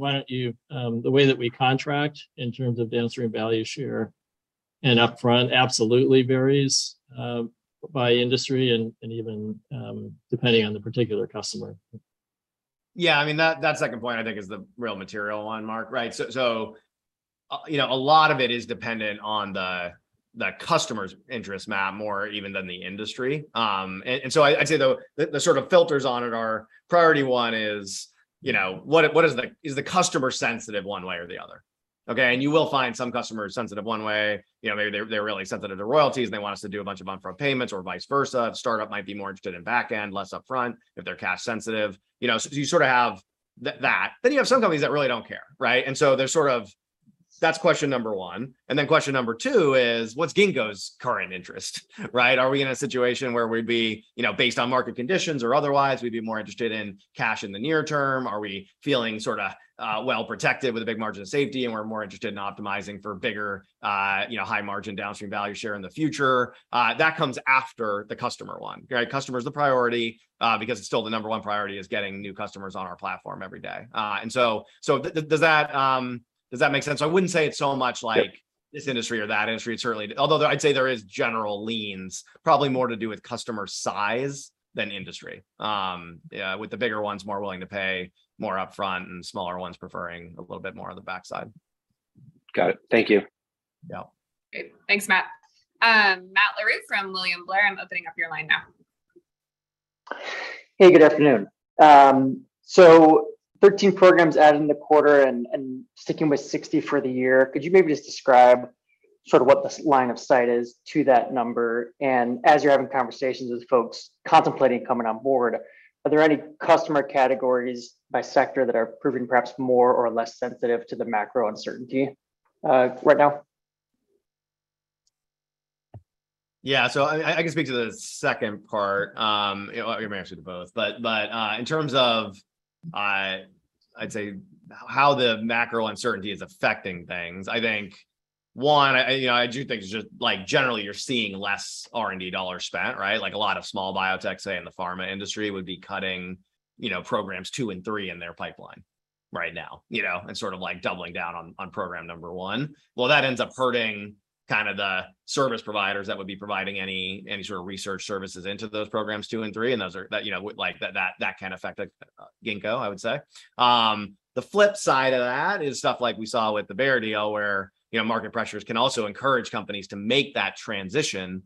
why don't you. The way that we contract in terms of downstream value share and upfront absolutely varies by industry and even depending on the particular customer. Yeah, I mean, that second point I think is the real material one, Mark, right? So, you know, a lot of it is dependent on the customer's interest, Matt, more even than the industry. I'd say the sort of filters on it are priority one is, you know, is the customer sensitive one way or the other? Okay. You will find some customers sensitive one way. You know, maybe they're really sensitive to royalties and they want us to do a bunch of upfront payments or vice versa. A startup might be more interested in back end, less upfront if they're cash sensitive. You know, so you sort of have that. You have some companies that really don't care, right? They're sort of. That's question number one. Then question number two is what's Ginkgo's current interest, right? Are we in a situation where we'd be based on market conditions or otherwise, we'd be more interested in cash in the near term? Are we feeling sort of well protected with a big margin of safety and we're more interested in optimizing for bigger high margin downstream value share in the future? That comes after the customer one, right? Customer is the priority because it's still the number one priority is getting new customers on our platform every day. Does that make sense? I wouldn't say it's so much like- Yeah. This industry or that industry. It's certainly, although I'd say there is general leans probably more to do with customer size than industry. With the bigger ones more willing to pay more upfront and smaller ones preferring a little bit more on the backside. Got it. Thank you. Yep. Great. Thanks, Matt. Matt Larew from William Blair, I'm opening up your line now. Hey, good afternoon. Thirteen programs added in the quarter and sticking with 60 for the year. Could you maybe just describe sort of what the line of sight is to that number? As you're having conversations with folks contemplating coming on board, are there any customer categories by sector that are proving perhaps more or less sensitive to the macro uncertainty right now? Yeah. I can speak to the second part. You know, I can answer to both. In terms of, I'd say how the macro uncertainty is affecting things, I think one, you know, I do think just like generally you're seeing less R&D dollars spent, right? Like a lot of small biotechs, say, in the pharma industry would be cutting, you know, programs two and three in their pipeline right now, you know. Sort of like doubling down on program number one. Well, that ends up hurting kind of the service providers that would be providing any sort of research services into those programs two and three, and those can affect Ginkgo, I would say. The flip side of that is stuff like we saw with the Bayer deal where, you know, market pressures can also encourage companies to make that transition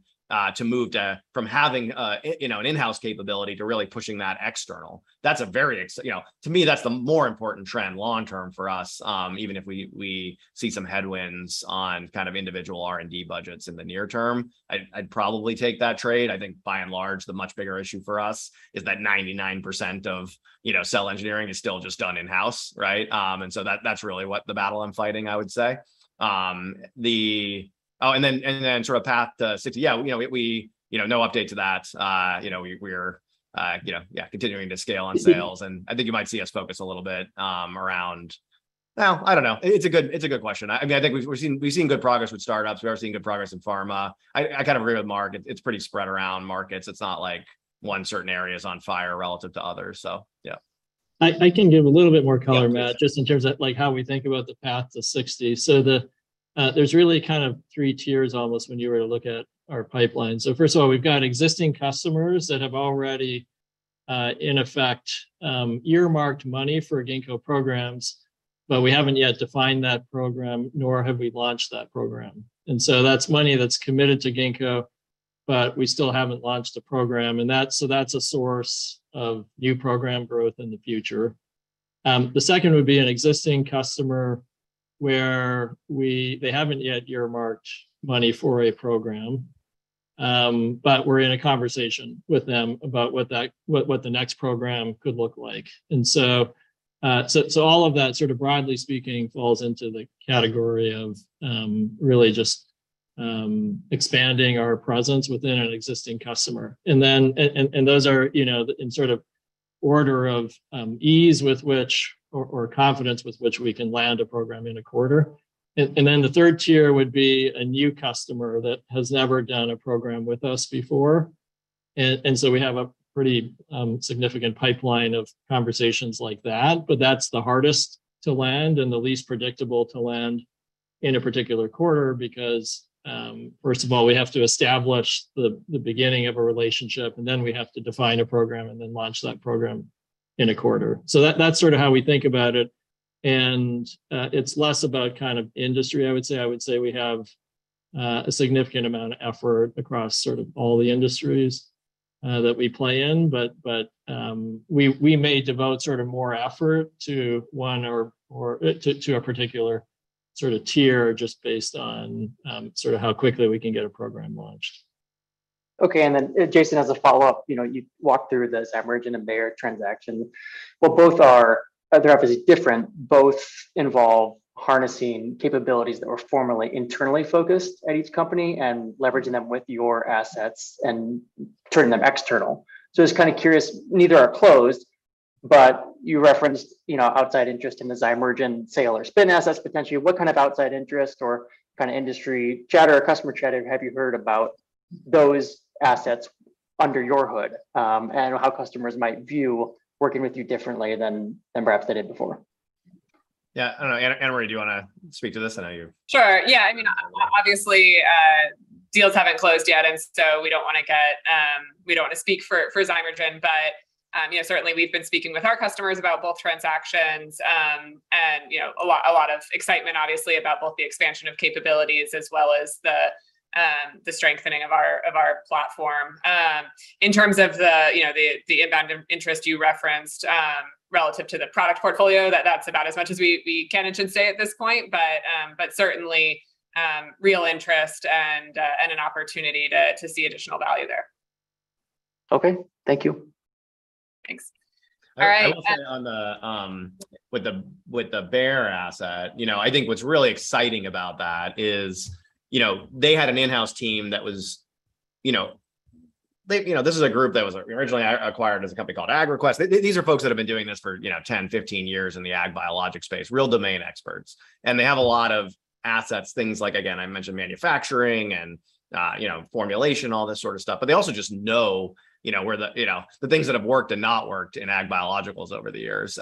to move from having a, you know, an in-house capability to really pushing that external. That's a very exciting, you know, to me, that's the more important trend long term for us. Even if we see some headwinds on kind of individual R&D budgets in the near term, I'd probably take that trade. I think by and large, the much bigger issue for us is that 99% of, you know, cell engineering is still just done in-house, right? That's really what the battle I'm fighting, I would say. Oh, sort of path to 60. Yeah, you know, no update to that. You know, we're you know, yeah, continuing to scale on sales. I think you might see us focus a little bit. Well, I don't know. It's a good question. I mean, I think we've seen good progress with startups. We've obviously seen good progress in pharma. I kind of agree with Mark. It's pretty spread around markets. It's not like one certain area is on fire relative to others. Yeah. I can give a little bit more color, Matt. Yeah, please. Just in terms of like how we think about the path to 60. There's really kind of three tiers almost when you were to look at our pipeline. First of all, we've got existing customers that have already in effect earmarked money for Ginkgo programs, but we haven't yet defined that program, nor have we launched that program. That's a source of new program growth in the future. The second would be an existing customer where they haven't yet earmarked money for a program, but we're in a conversation with them about what the next program could look like. All of that, sort of broadly speaking, falls into the category of really just expanding our presence within an existing customer. Those are, you know, in sort of order of ease with which or confidence with which we can land a program in a quarter. The third tier would be a new customer that has never done a program with us before. We have a pretty significant pipeline of conversations like that, but that's the hardest to land and the least predictable to land in a particular quarter because first of all, we have to establish the beginning of a relationship, and then we have to define a program and then launch that program in a quarter. That's sort of how we think about it. It's less about kind of industry, I would say. I would say we have a significant amount of effort across sort of all the industries that we play in, but we may devote sort of more effort to one or to a particular sort of tier just based on sort of how quickly we can get a program launched. Okay. Jason, as a follow-up, you know, you walked through the Zymergen and Bayer transaction. While both are obviously different, both involve harnessing capabilities that were formerly internally focused at each company and leveraging them with your assets and turning them external. I'm just kind of curious, neither are closed, but you referenced, you know, outside interest in the Zymergen sale or spin assets potentially. What kind of outside interest or kind of industry chatter or customer chatter have you heard about those assets under your hood, and how customers might view working with you differently than perhaps they did before? Yeah. I don't know, Anna Marie, do you wanna speak to this? I know you've- Sure. Yeah, I mean, obviously, deals haven't closed yet, and so we don't wanna speak for Zymergen. You know, certainly we've been speaking with our customers about both transactions, and you know, a lot of excitement obviously about both the expansion of capabilities as well as the strengthening of our platform. In terms of the inbound interest you referenced, relative to the product portfolio, that's about as much as we can and should say at this point. Certainly real interest and an opportunity to see additional value there. Okay. Thank you. Thanks. All right, I will say on the with the Bayer asset, you know, I think what's really exciting about that is, you know, they had an in-house team that was, you know they, you know, this is a group that was originally acquired as a company called AgraQuest. These are folks that have been doing this for, you know, 10 years, 15 years in the ag biological space, real domain experts, and they have a lot of assets, things like, again, I mentioned manufacturing and, you know, formulation, all this sort of stuff. They also just know, you know, where the, you know, the things that have worked and not worked in agricultural biologicals over the years.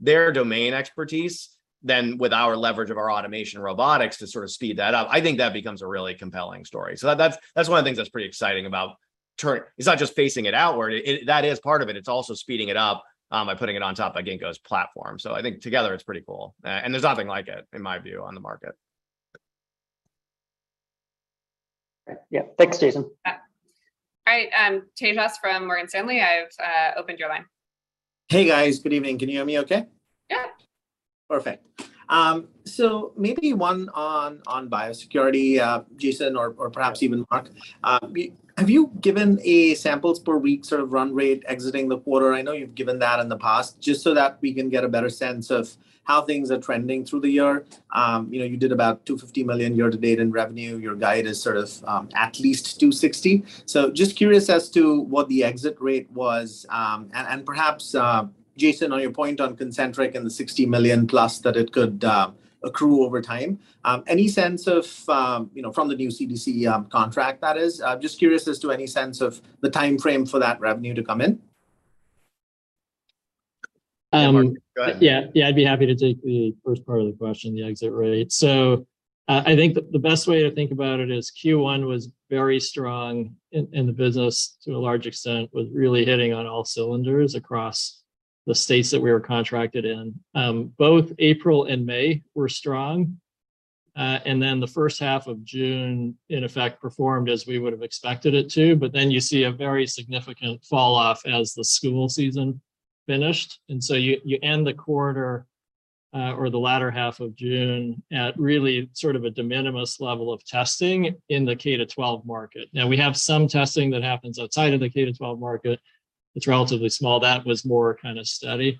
Their domain expertise then with our leverage of our automation robotics to sort of speed that up, I think that becomes a really compelling story. That's one of the things that's pretty exciting about. It's not just facing it outward. That is part of it. It's also speeding it up by putting it on top of Ginkgo's platform. I think together it's pretty cool. There's nothing like it, in my view, on the market. Yeah. Thanks, Jason. All right, Tejas from Morgan Stanley, I've opened your line. Hey, guys. Good evening. Can you hear me okay? Yeah. Perfect. Maybe one on biosecurity, Jason or perhaps even Mark. Have you given samples per week sort of run rate exiting the quarter? I know you've given that in the past, just so that we can get a better sense of how things are trending through the year. You know, you did about $250 million year to date in revenue. Your guide is sort of at least $260 million. Just curious as to what the exit rate was, and perhaps Jason, on your point on Concentric and the $60 million plus that it could accrue over time, any sense of, you know, from the new CDC contract, that is. I'm just curious as to any sense of the timeframe for that revenue to come in. Um- Mark, go ahead. Yeah. Yeah, I'd be happy to take the first part of the question, the exit rate. I think the best way to think about it is Q1 was very strong in the business to a large extent, was really hitting on all cylinders across the states that we were contracted in. Both April and May were strong. The first half of June, in effect, performed as we would've expected it to, but then you see a very significant fall off as the school season finished. You end the quarter, or the latter half of June at really sort of a de minimis level of testing in the K-12 market. Now, we have some testing that happens outside of the K-12 market. It's relatively small. That was more kind of steady.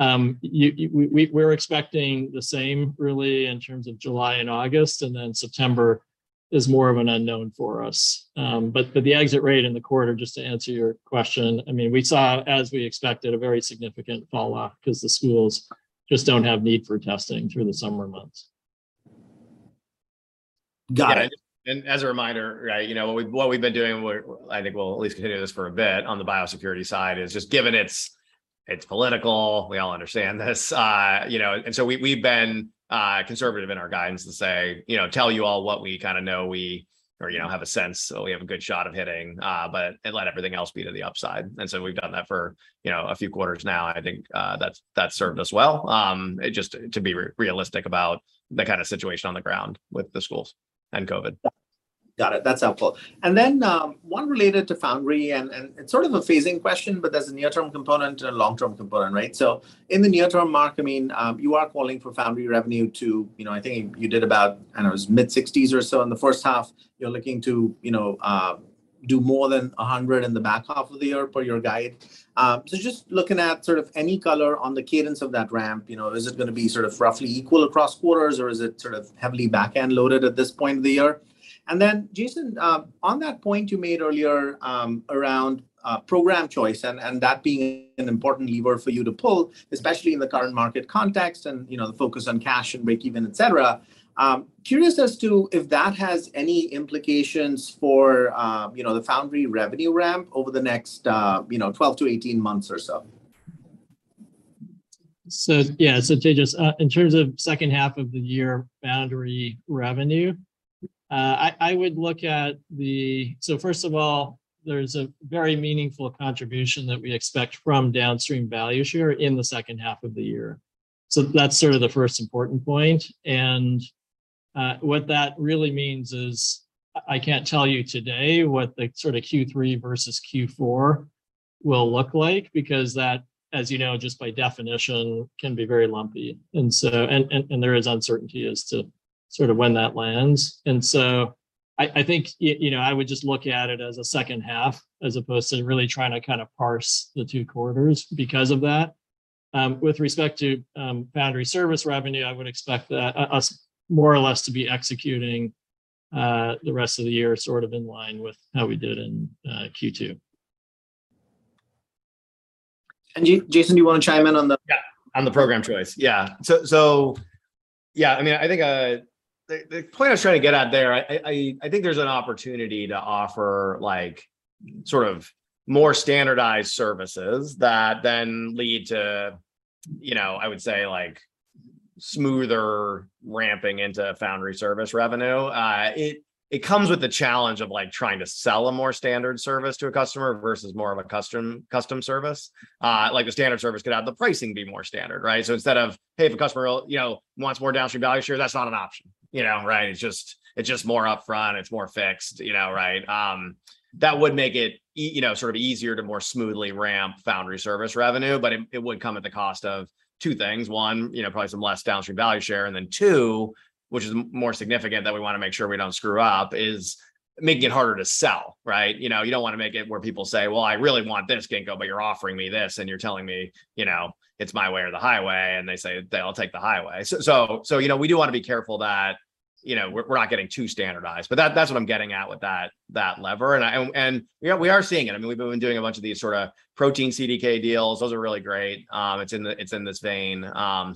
We're expecting the same really in terms of July and August, and then September is more of an unknown for us. The exit rate in the quarter, just to answer your question, I mean, we saw, as we expected, a very significant fall off 'cause the schools just don't have need for testing through the summer months. Got it. As a reminder, you know, what we've been doing, I think we'll at least continue this for a bit on the biosecurity side, is just given it's political, we all understand this. We've been conservative in our guidance to say, you know, tell you all what we kinda know we or, you know, have a sense or we have a good shot of hitting, and let everything else be to the upside. We've done that for, you know, a few quarters now, and I think that's served us well. It just, to be realistic about the kind of situation on the ground with the schools and COVID. Got it. That's helpful. One related to foundry and it's sort of a phasing question, but there's a near-term component and a long-term component, right? In the near term, Mark, I mean, you are calling for foundry revenue to, you know, I think you did about, I don't know, it was mid-$60s or so in the first half. You're looking to, you know, do more than $100 in the back half of the year per your guide. Just looking at sort of any color on the cadence of that ramp, you know, is it gonna be sort of roughly equal across quarters, or is it sort of heavily back-end loaded at this point in the year? Jason, on that point you made earlier, around program choice and that being an important lever for you to pull, especially in the current market context and, you know, the focus on cash and breakeven, et cetera, curious as to if that has any implications for, you know, the Foundry revenue ramp over the next, 12 months-18 months or so? Tejas, in terms of second half of the year foundry revenue, first of all, there's a very meaningful contribution that we expect from downstream value share in the second half of the year. That's sort of the first important point, and what that really means is I can't tell you today what the sort of Q3 versus Q4 will look like because that, as you know, just by definition can be very lumpy. There is uncertainty as to sort of when that lands. I think, you know, I would just look at it as a second half as opposed to really trying to kind of parse the two quarters because of that. With respect to biosecurity services revenue, I would expect that we more or less to be executing the rest of the year sort of in line with how we did in Q2. Jason, do you wanna chime in on the? Yeah, on the program choice. Yeah. I mean, I think the point I was trying to get at there. I think there's an opportunity to offer like sort of more standardized services that then lead to, you know, I would say like smoother ramping into foundry service revenue. It comes with the challenge of like trying to sell a more standard service to a customer versus more of a custom service. Like the standard service could have the pricing be more standard, right? Instead of, hey, if a customer, you know, wants more downstream value share, that's not an option. You know, right? It's just more upfront, it's more fixed, you know, right? That would make it you know, sort of easier to more smoothly ramp foundry service revenue, but it would come at the cost of two things. One, you know, probably some less downstream value share, and then two, which is more significant that we wanna make sure we don't screw up, is making it harder to sell, right? You know, you don't wanna make it where people say, "Well, I really want this, Ginkgo, but you're offering me this, and you're telling me, you know, it's my way or the highway." They say they all take the highway. You know, we do wanna be careful that, you know, we're not getting too standardized. But that's what I'm getting at with that lever. You know, we are seeing it. I mean, we've been doing a bunch of these sorta protein CDK deals. Those are really great. It's in this vein. I'm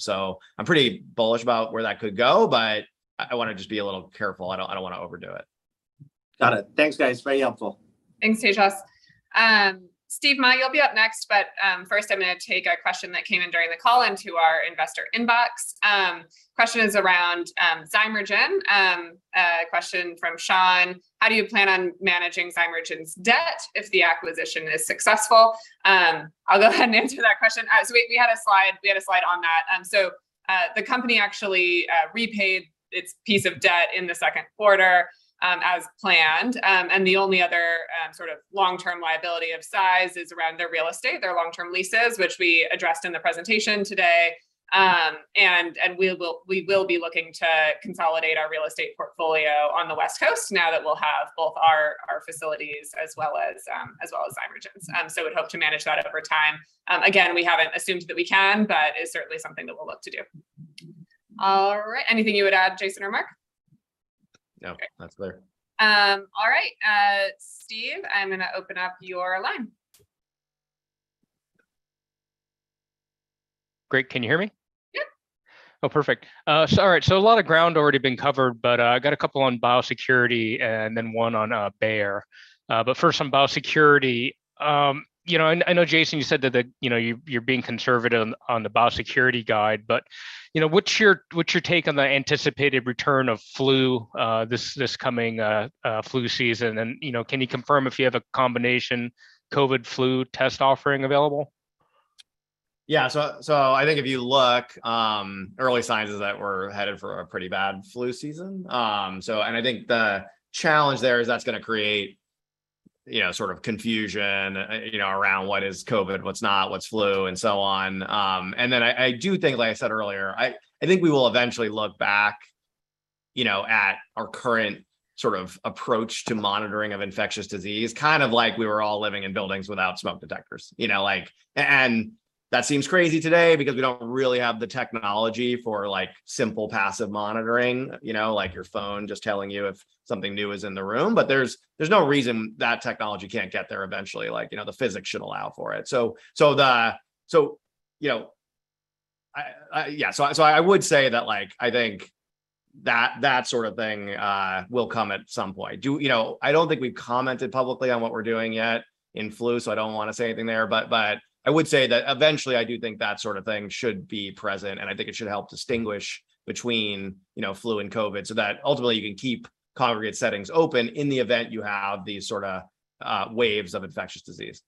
pretty bullish about where that could go, but I wanna just be a little careful. I don't wanna overdo it. Got it. Thanks, guys. Very helpful. Thanks, Tejas. Steve Myer, you'll be up next, but first I'm gonna take a question that came in during the call into our investor inbox. Question is around Zymergen. A question from Sean. How do you plan on managing Zymergen's debt if the acquisition is successful? I'll go ahead and answer that question. So we had a slide on that. The company actually repaid its debt in the second quarter, as planned. The only other sort of long-term liability of size is around their real estate, their long-term leases, which we addressed in the presentation today. We will be looking to consolidate our real estate portfolio on the West Coast now that we'll have both our facilities as well as Zymergen's. We'd hope to manage that over time. Again, we haven't assumed that we can, but it's certainly something that we'll look to do. All right, anything you would add, Jason or Mark? No, that's clear. All right. Steve, I'm gonna open up your line. Great. Can you hear me? Yep. Oh, perfect. Sorry. A lot of ground already been covered, but I got a couple on biosecurity and then one on Bayer. First on biosecurity, you know, and I know, Jason, you said that the, you know, you're being conservative on the biosecurity side, but you know, what's your take on the anticipated return of flu this coming flu season? You know, can you confirm if you have a combination COVID/flu test offering available? Yeah. I think if you look, early signs is that we're headed for a pretty bad flu season. I think the challenge there is that's gonna create, you know, sort of confusion, you know, around what is COVID, what's not, what's flu, and so on. I do think, like I said earlier, I think we will eventually look back, you know, at our current sort of approach to monitoring of infectious disease, kind of like we were all living in buildings without smoke detectors. You know, like and that seems crazy today because we don't really have the technology for like simple passive monitoring, you know, like your phone just telling you if something new is in the room. There's no reason that technology can't get there eventually. Like, you know, the physics should allow for it. Yeah. I would say that like, I think that sort of thing will come at some point. You know, I don't think we've commented publicly on what we're doing yet in flu, so I don't wanna say anything there, but I would say that eventually I do think that sort of thing should be present, and I think it should help distinguish between, you know, flu and COVID so that ultimately you can keep congregate settings open in the event you have these sorta waves of infectious disease.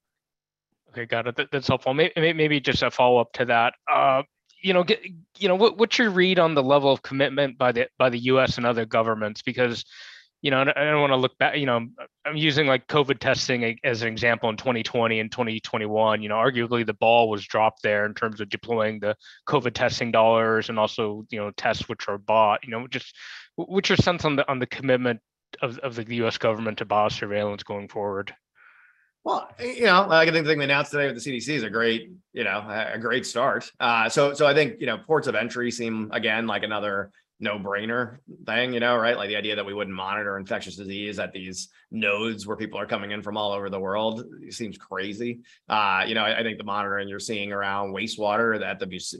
Okay. Got it. That, that's helpful. Maybe just a follow-up to that. You know, what's your read on the level of commitment by the U.S. and other governments? Because, you know, and I don't wanna look back, you know, I'm using like COVID testing as an example in 2020 and 2021. You know, arguably the ball was dropped there in terms of deploying the COVID testing dollars and also, you know, tests which are bought. You know, just sentiment on the commitment of the U.S. government to biosurveillance going forward. You know, I think the thing they announced today with the CDC is a great start. I think ports of entry seem, again, like another no-brainer thing, you know, right? Like the idea that we wouldn't monitor infectious disease at these nodes where people are coming in from all over the world seems crazy. You know, I think the monitoring you're seeing around wastewater,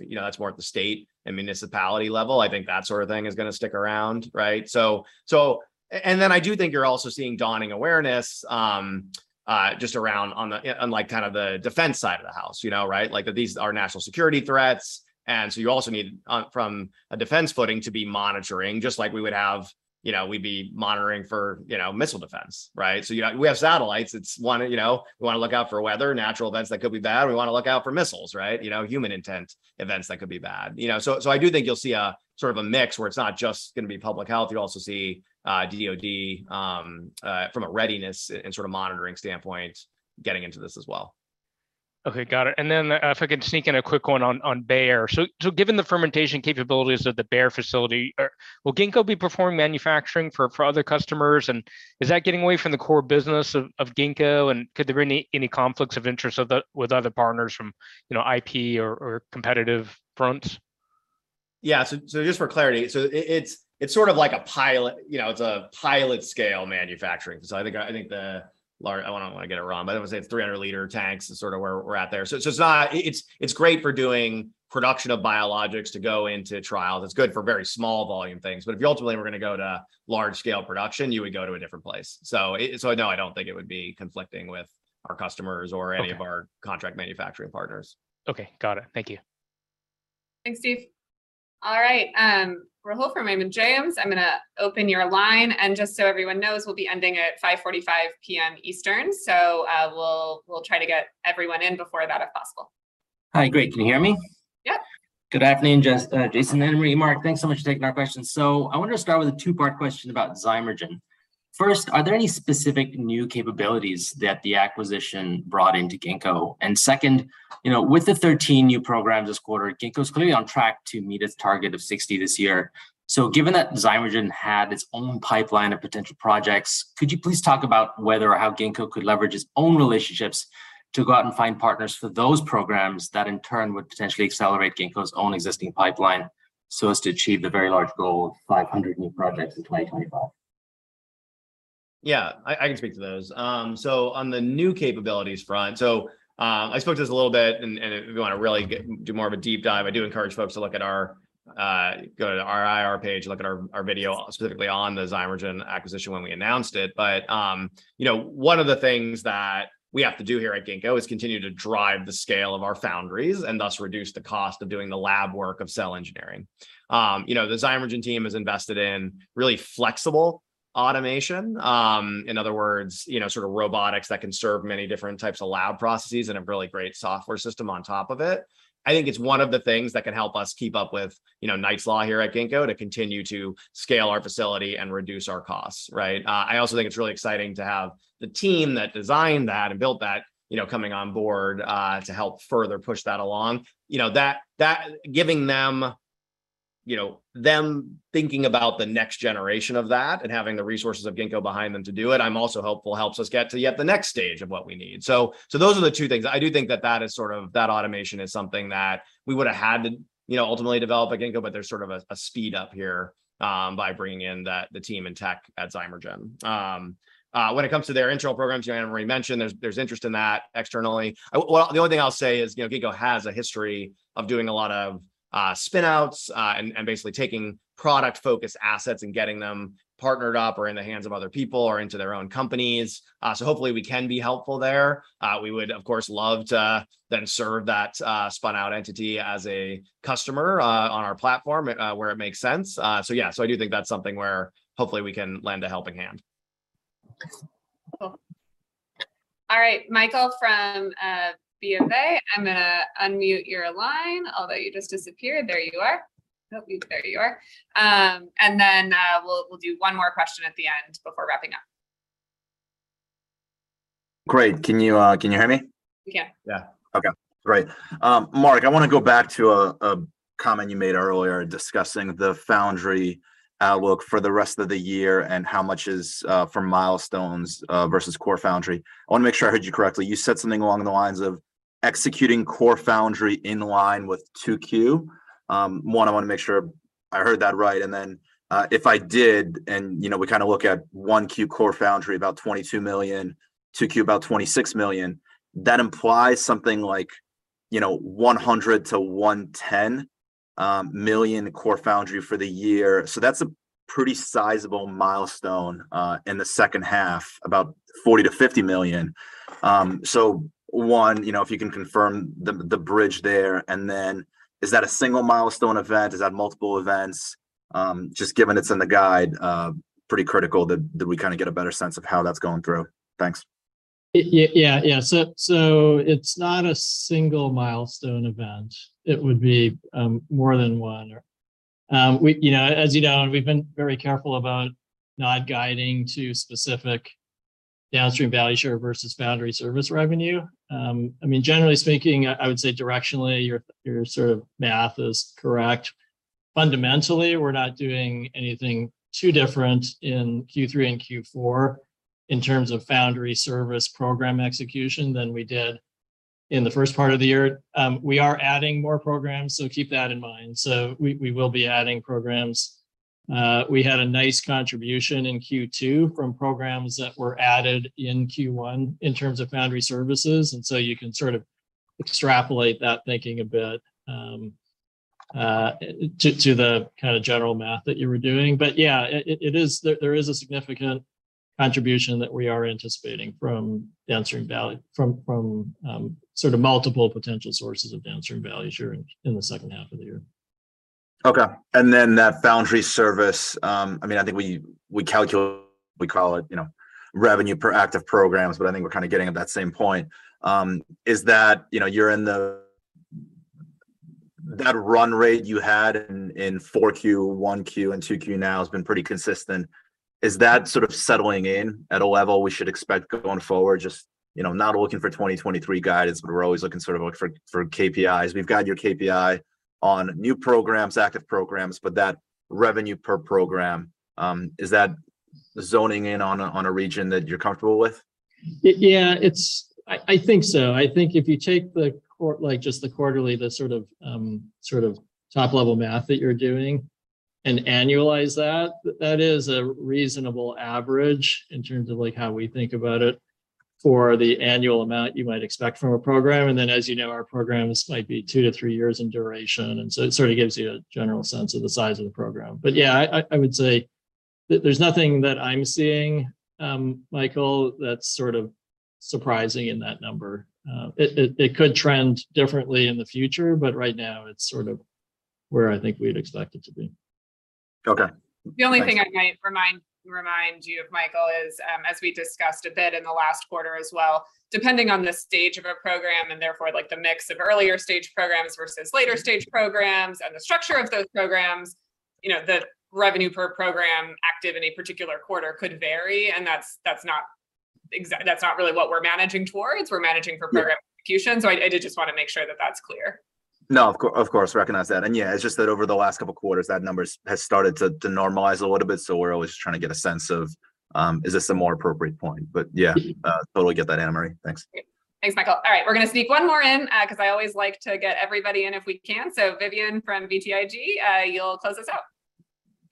you know, that's more at the state and municipality level. I think that sort of thing is gonna stick around, right? Then I do think you're also seeing dawning awareness just around like kind of the defense side of the house, you know, right? Like that these are national security threats, and so you also need from a defense footing to be monitoring, just like we would have, you know, we'd be monitoring for, you know, missile defense, right? You know, we have satellites. It's one, you know, we wanna look out for weather, natural events that could be bad. We wanna look out for missiles, right? You know, human intent events that could be bad. You know, I do think you'll see a sort of a mix where it's not just gonna be public health. You'll also see DoD from a readiness and sort of monitoring standpoint getting into this as well. Okay, got it. If I could sneak in a quick one on Bayer. So given the fermentation capabilities of the Bayer facility, will Ginkgo be performing manufacturing for other customers? And is that getting away from the core business of Ginkgo? And could there be any conflicts of interest with other partners from, you know, IP or competitive fronts? Yeah. Just for clarity, it's sort of like a pilot, you know, it's a pilot scale manufacturing. I think I don't wanna get it wrong, but I would say 300-liter tanks is sort of where we're at there. It's not. It's great for doing production of biologics to go into trials. It's good for very small volume things. If ultimately we're gonna go to large scale production, you would go to a different place. No, I don't think it would be conflicting with our customers- Okay. ...or any of our contract manufacturing partners. Okay. Got it. Thank you. Thanks, Steve. All right. Rahul from Raymond James, I'm gonna open your line and just so everyone knows, we'll be ending at 5:45 P.M. Eastern. We'll try to get everyone in before that, if possible. Hi. Great. Can you hear me? Yep. Good afternoon, Jason and Mark. Thanks so much for taking our questions. I wanted to start with a two-part question about Zymergen. First, are there any specific new capabilities that the acquisition brought into Ginkgo? Second, you know, with the 13 new programs this quarter, Ginkgo's clearly on track to meet its target of 60 this year. Given that Zymergen had its own pipeline of potential projects, could you please talk about whether or how Ginkgo could leverage its own relationships to go out and find partners for those programs that in turn would potentially accelerate Ginkgo's own existing pipeline so as to achieve the very large goal of 500 new projects in 2025? Yeah, I can speak to those. On the new capabilities front, I spoke to this a little bit and if you wanna really do more of a deep dive, I do encourage folks to look at our go to our IR page, look at our video specifically on the Zymergen acquisition when we announced it. You know, one of the things that we have to do here at Ginkgo is continue to drive the scale of our foundries and thus reduce the cost of doing the lab work of cell engineering. You know, the Zymergen team is invested in really flexible automation. In other words, you know, sort of robotics that can serve many different types of lab processes and a really great software system on top of it. I think it's one of the things that can help us keep up with, you know, Knight's Law here at Ginkgo to continue to scale our facility and reduce our costs, right? I also think it's really exciting to have the team that designed that and built that, you know, coming on board to help further push that along. You know, that giving them, you know, them thinking about the next generation of that and having the resources of Ginkgo behind them to do it, I'm also hopeful helps us get to yet the next stage of what we need. Those are the two things. I do think that is sort of that automation is something that we would have had to, you know, ultimately develop at Ginkgo, but there's sort of a speed up here by bringing in the team and tech at Zymergen. When it comes to their internal programs, you know, Henry mentioned there's interest in that externally. Well, the only thing I'll say is, you know, Ginkgo has a history of doing a lot of spin-outs and basically taking product-focused assets and getting them partnered up or in the hands of other people or into their own companies. Hopefully we can be helpful there. We would, of course, love to then serve that spun out entity as a customer on our platform where it makes sense. Yeah. I do think that's something where hopefully we can lend a helping hand. Cool. All right, Michael from BofA, I'm gonna unmute your line, although you just disappeared. There you are. We'll do one more question at the end before wrapping up. Great. Can you hear me? We can. Yeah. Okay. Great. Mark, I wanna go back to a comment you made earlier discussing the foundry outlook for the rest of the year and how much is from milestones versus core foundry. I wanna make sure I heard you correctly. You said something along the lines of executing core foundry in line with 2Q. I wanna make sure I heard that right. If I did, you know, we kinda look at 1Q core foundry, about $22 million, 2Q about $26 million, that implies something like, you know, $100 million-$110 million core foundry for the year. That's a pretty sizable milestone in the second half, about $40 million-$50 million. You know, if you can confirm the bridge there, and then is that a single milestone event? Is that multiple events? Just given it's in the guide, pretty critical that we kinda get a better sense of how that's going through. Thanks. Yeah. It's not a single milestone event. It would be more than one. We, you know, as you know, we've been very careful about not guiding to specific downstream value share versus foundry service revenue. I mean, generally speaking, I would say directionally, your sort of math is correct. Fundamentally, we're not doing anything too different in Q3 and Q4 in terms of foundry service program execution than we did in the first part of the year. We are adding more programs, so keep that in mind. We will be adding programs. We had a nice contribution in Q2 from programs that were added in Q1 in terms of foundry services, and so you can sort of extrapolate that thinking a bit to the kinda general math that you were doing. Yeah, there is a significant contribution that we are anticipating from downstream value, from sort of multiple potential sources of downstream value share in the second half of the year. Okay. That foundry service, I mean, I think we calculate, we call it, you know, revenue per active programs, but I think we're kinda getting at that same point. Is that, you know, that run rate you had in Q4, Q1, and Q2 now has been pretty consistent? Is that sort of settling in at a level we should expect going forward? Just, you know, not looking for 2023 guidance, but we're always looking for KPIs. We've got your KPI on new programs, active programs, but that revenue per program, is that zoning in on a region that you're comfortable with? Yeah, I think so. I think if you take just the quarterly, the sort of, sort of top-level math that you're doing and annualize that is a reasonable average in terms of, like, how we think about it for the annual amount you might expect from a program. Then as you know, our programs might be 2 years-3 years in duration, and so it sort of gives you a general sense of the size of the program. Yeah, I would say there's nothing that I'm seeing, Michael, that's sort of surprising in that number. It could trend differently in the future, but right now it's sort of where I think we'd expect it to be. Okay. The only thing I might remind you of, Michael, is as we discussed a bit in the last quarter as well, depending on the stage of a program, and therefore, like, the mix of earlier stage programs versus later stage programs and the structure of those programs, you know, the revenue per program active in a particular quarter could vary and that's not really what we're managing towards. We're managing for program execution. I did just wanna make sure that that's clear. No, of course, recognize that. Yeah, it's just that over the last couple of quarters, that number has started to normalize a little bit, so we're always trying to get a sense of is this a more appropriate point? Yeah, totally get that, Anna Marie. Thanks. Thanks, Michael. All right, we're gonna sneak one more in, 'cause I always like to get everybody in if we can. Vivian from BTIG, you'll close us out.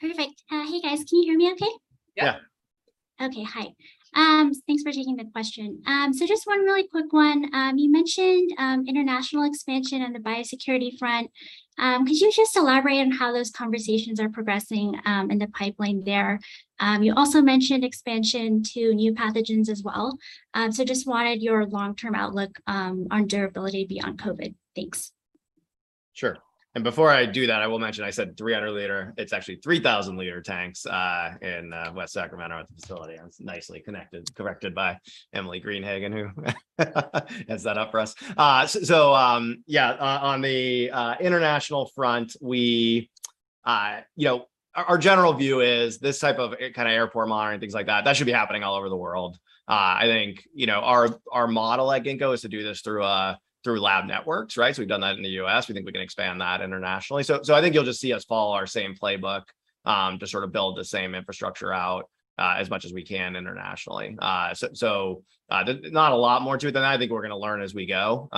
Perfect. Hey, guys. Can you hear me okay? Yeah. Yeah. Okay. Hi. Thanks for taking the question. Just one really quick one. You mentioned international expansion on the biosecurity front. Could you just elaborate on how those conversations are progressing in the pipeline there? You also mentioned expansion to new pathogens as well. Just wanted your long-term outlook on durability beyond COVID. Thanks. Sure. Before I do that, I will mention I said 300-liter. It's actually 3,000-liter tanks in West Sacramento at the facility. I was nicely corrected by Emily Greenhagen, who has that up for us. Yeah, on the international front, we you know our general view is this type of kind of airport monitoring, things like that should be happening all over the world. I think, you know, our model at Ginkgo is to do this through lab networks, right? We've done that in the U.S. We think we can expand that internationally. I think you'll just see us follow our same playbook to sort of build the same infrastructure out as much as we can internationally. Not a lot more to it than that. I think we're gonna learn as we go,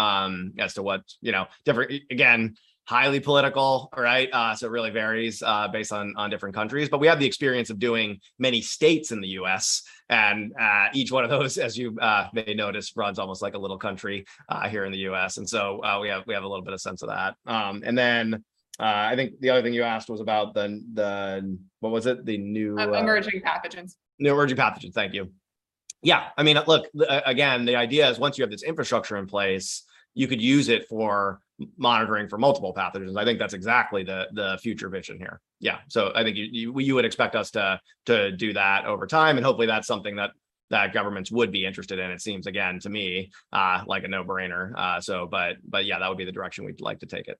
as to what, you know, different. Again, highly political, right? It really varies based on different countries. We have the experience of doing many states in the U.S., and each one of those, as you may notice, runs almost like a little country here in the U.S. We have a little bit of sense of that. I think the other thing you asked was about the new, what was it? The new- Emerging pathogens. New emerging pathogens. Thank you. Yeah. I mean, look, again, the idea is once you have this infrastructure in place, you could use it for monitoring for multiple pathogens. I think that's exactly the future vision here. Yeah. I think you would expect us to do that over time, and hopefully that's something that governments would be interested in. It seems, again, to me, like a no-brainer. Yeah, that would be the direction we'd like to take it.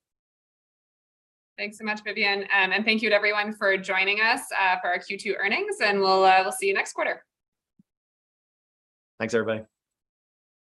Thanks so much, Vivian. Thank you to everyone for joining us for our Q2 earnings, and we'll see you next quarter. Thanks, every body.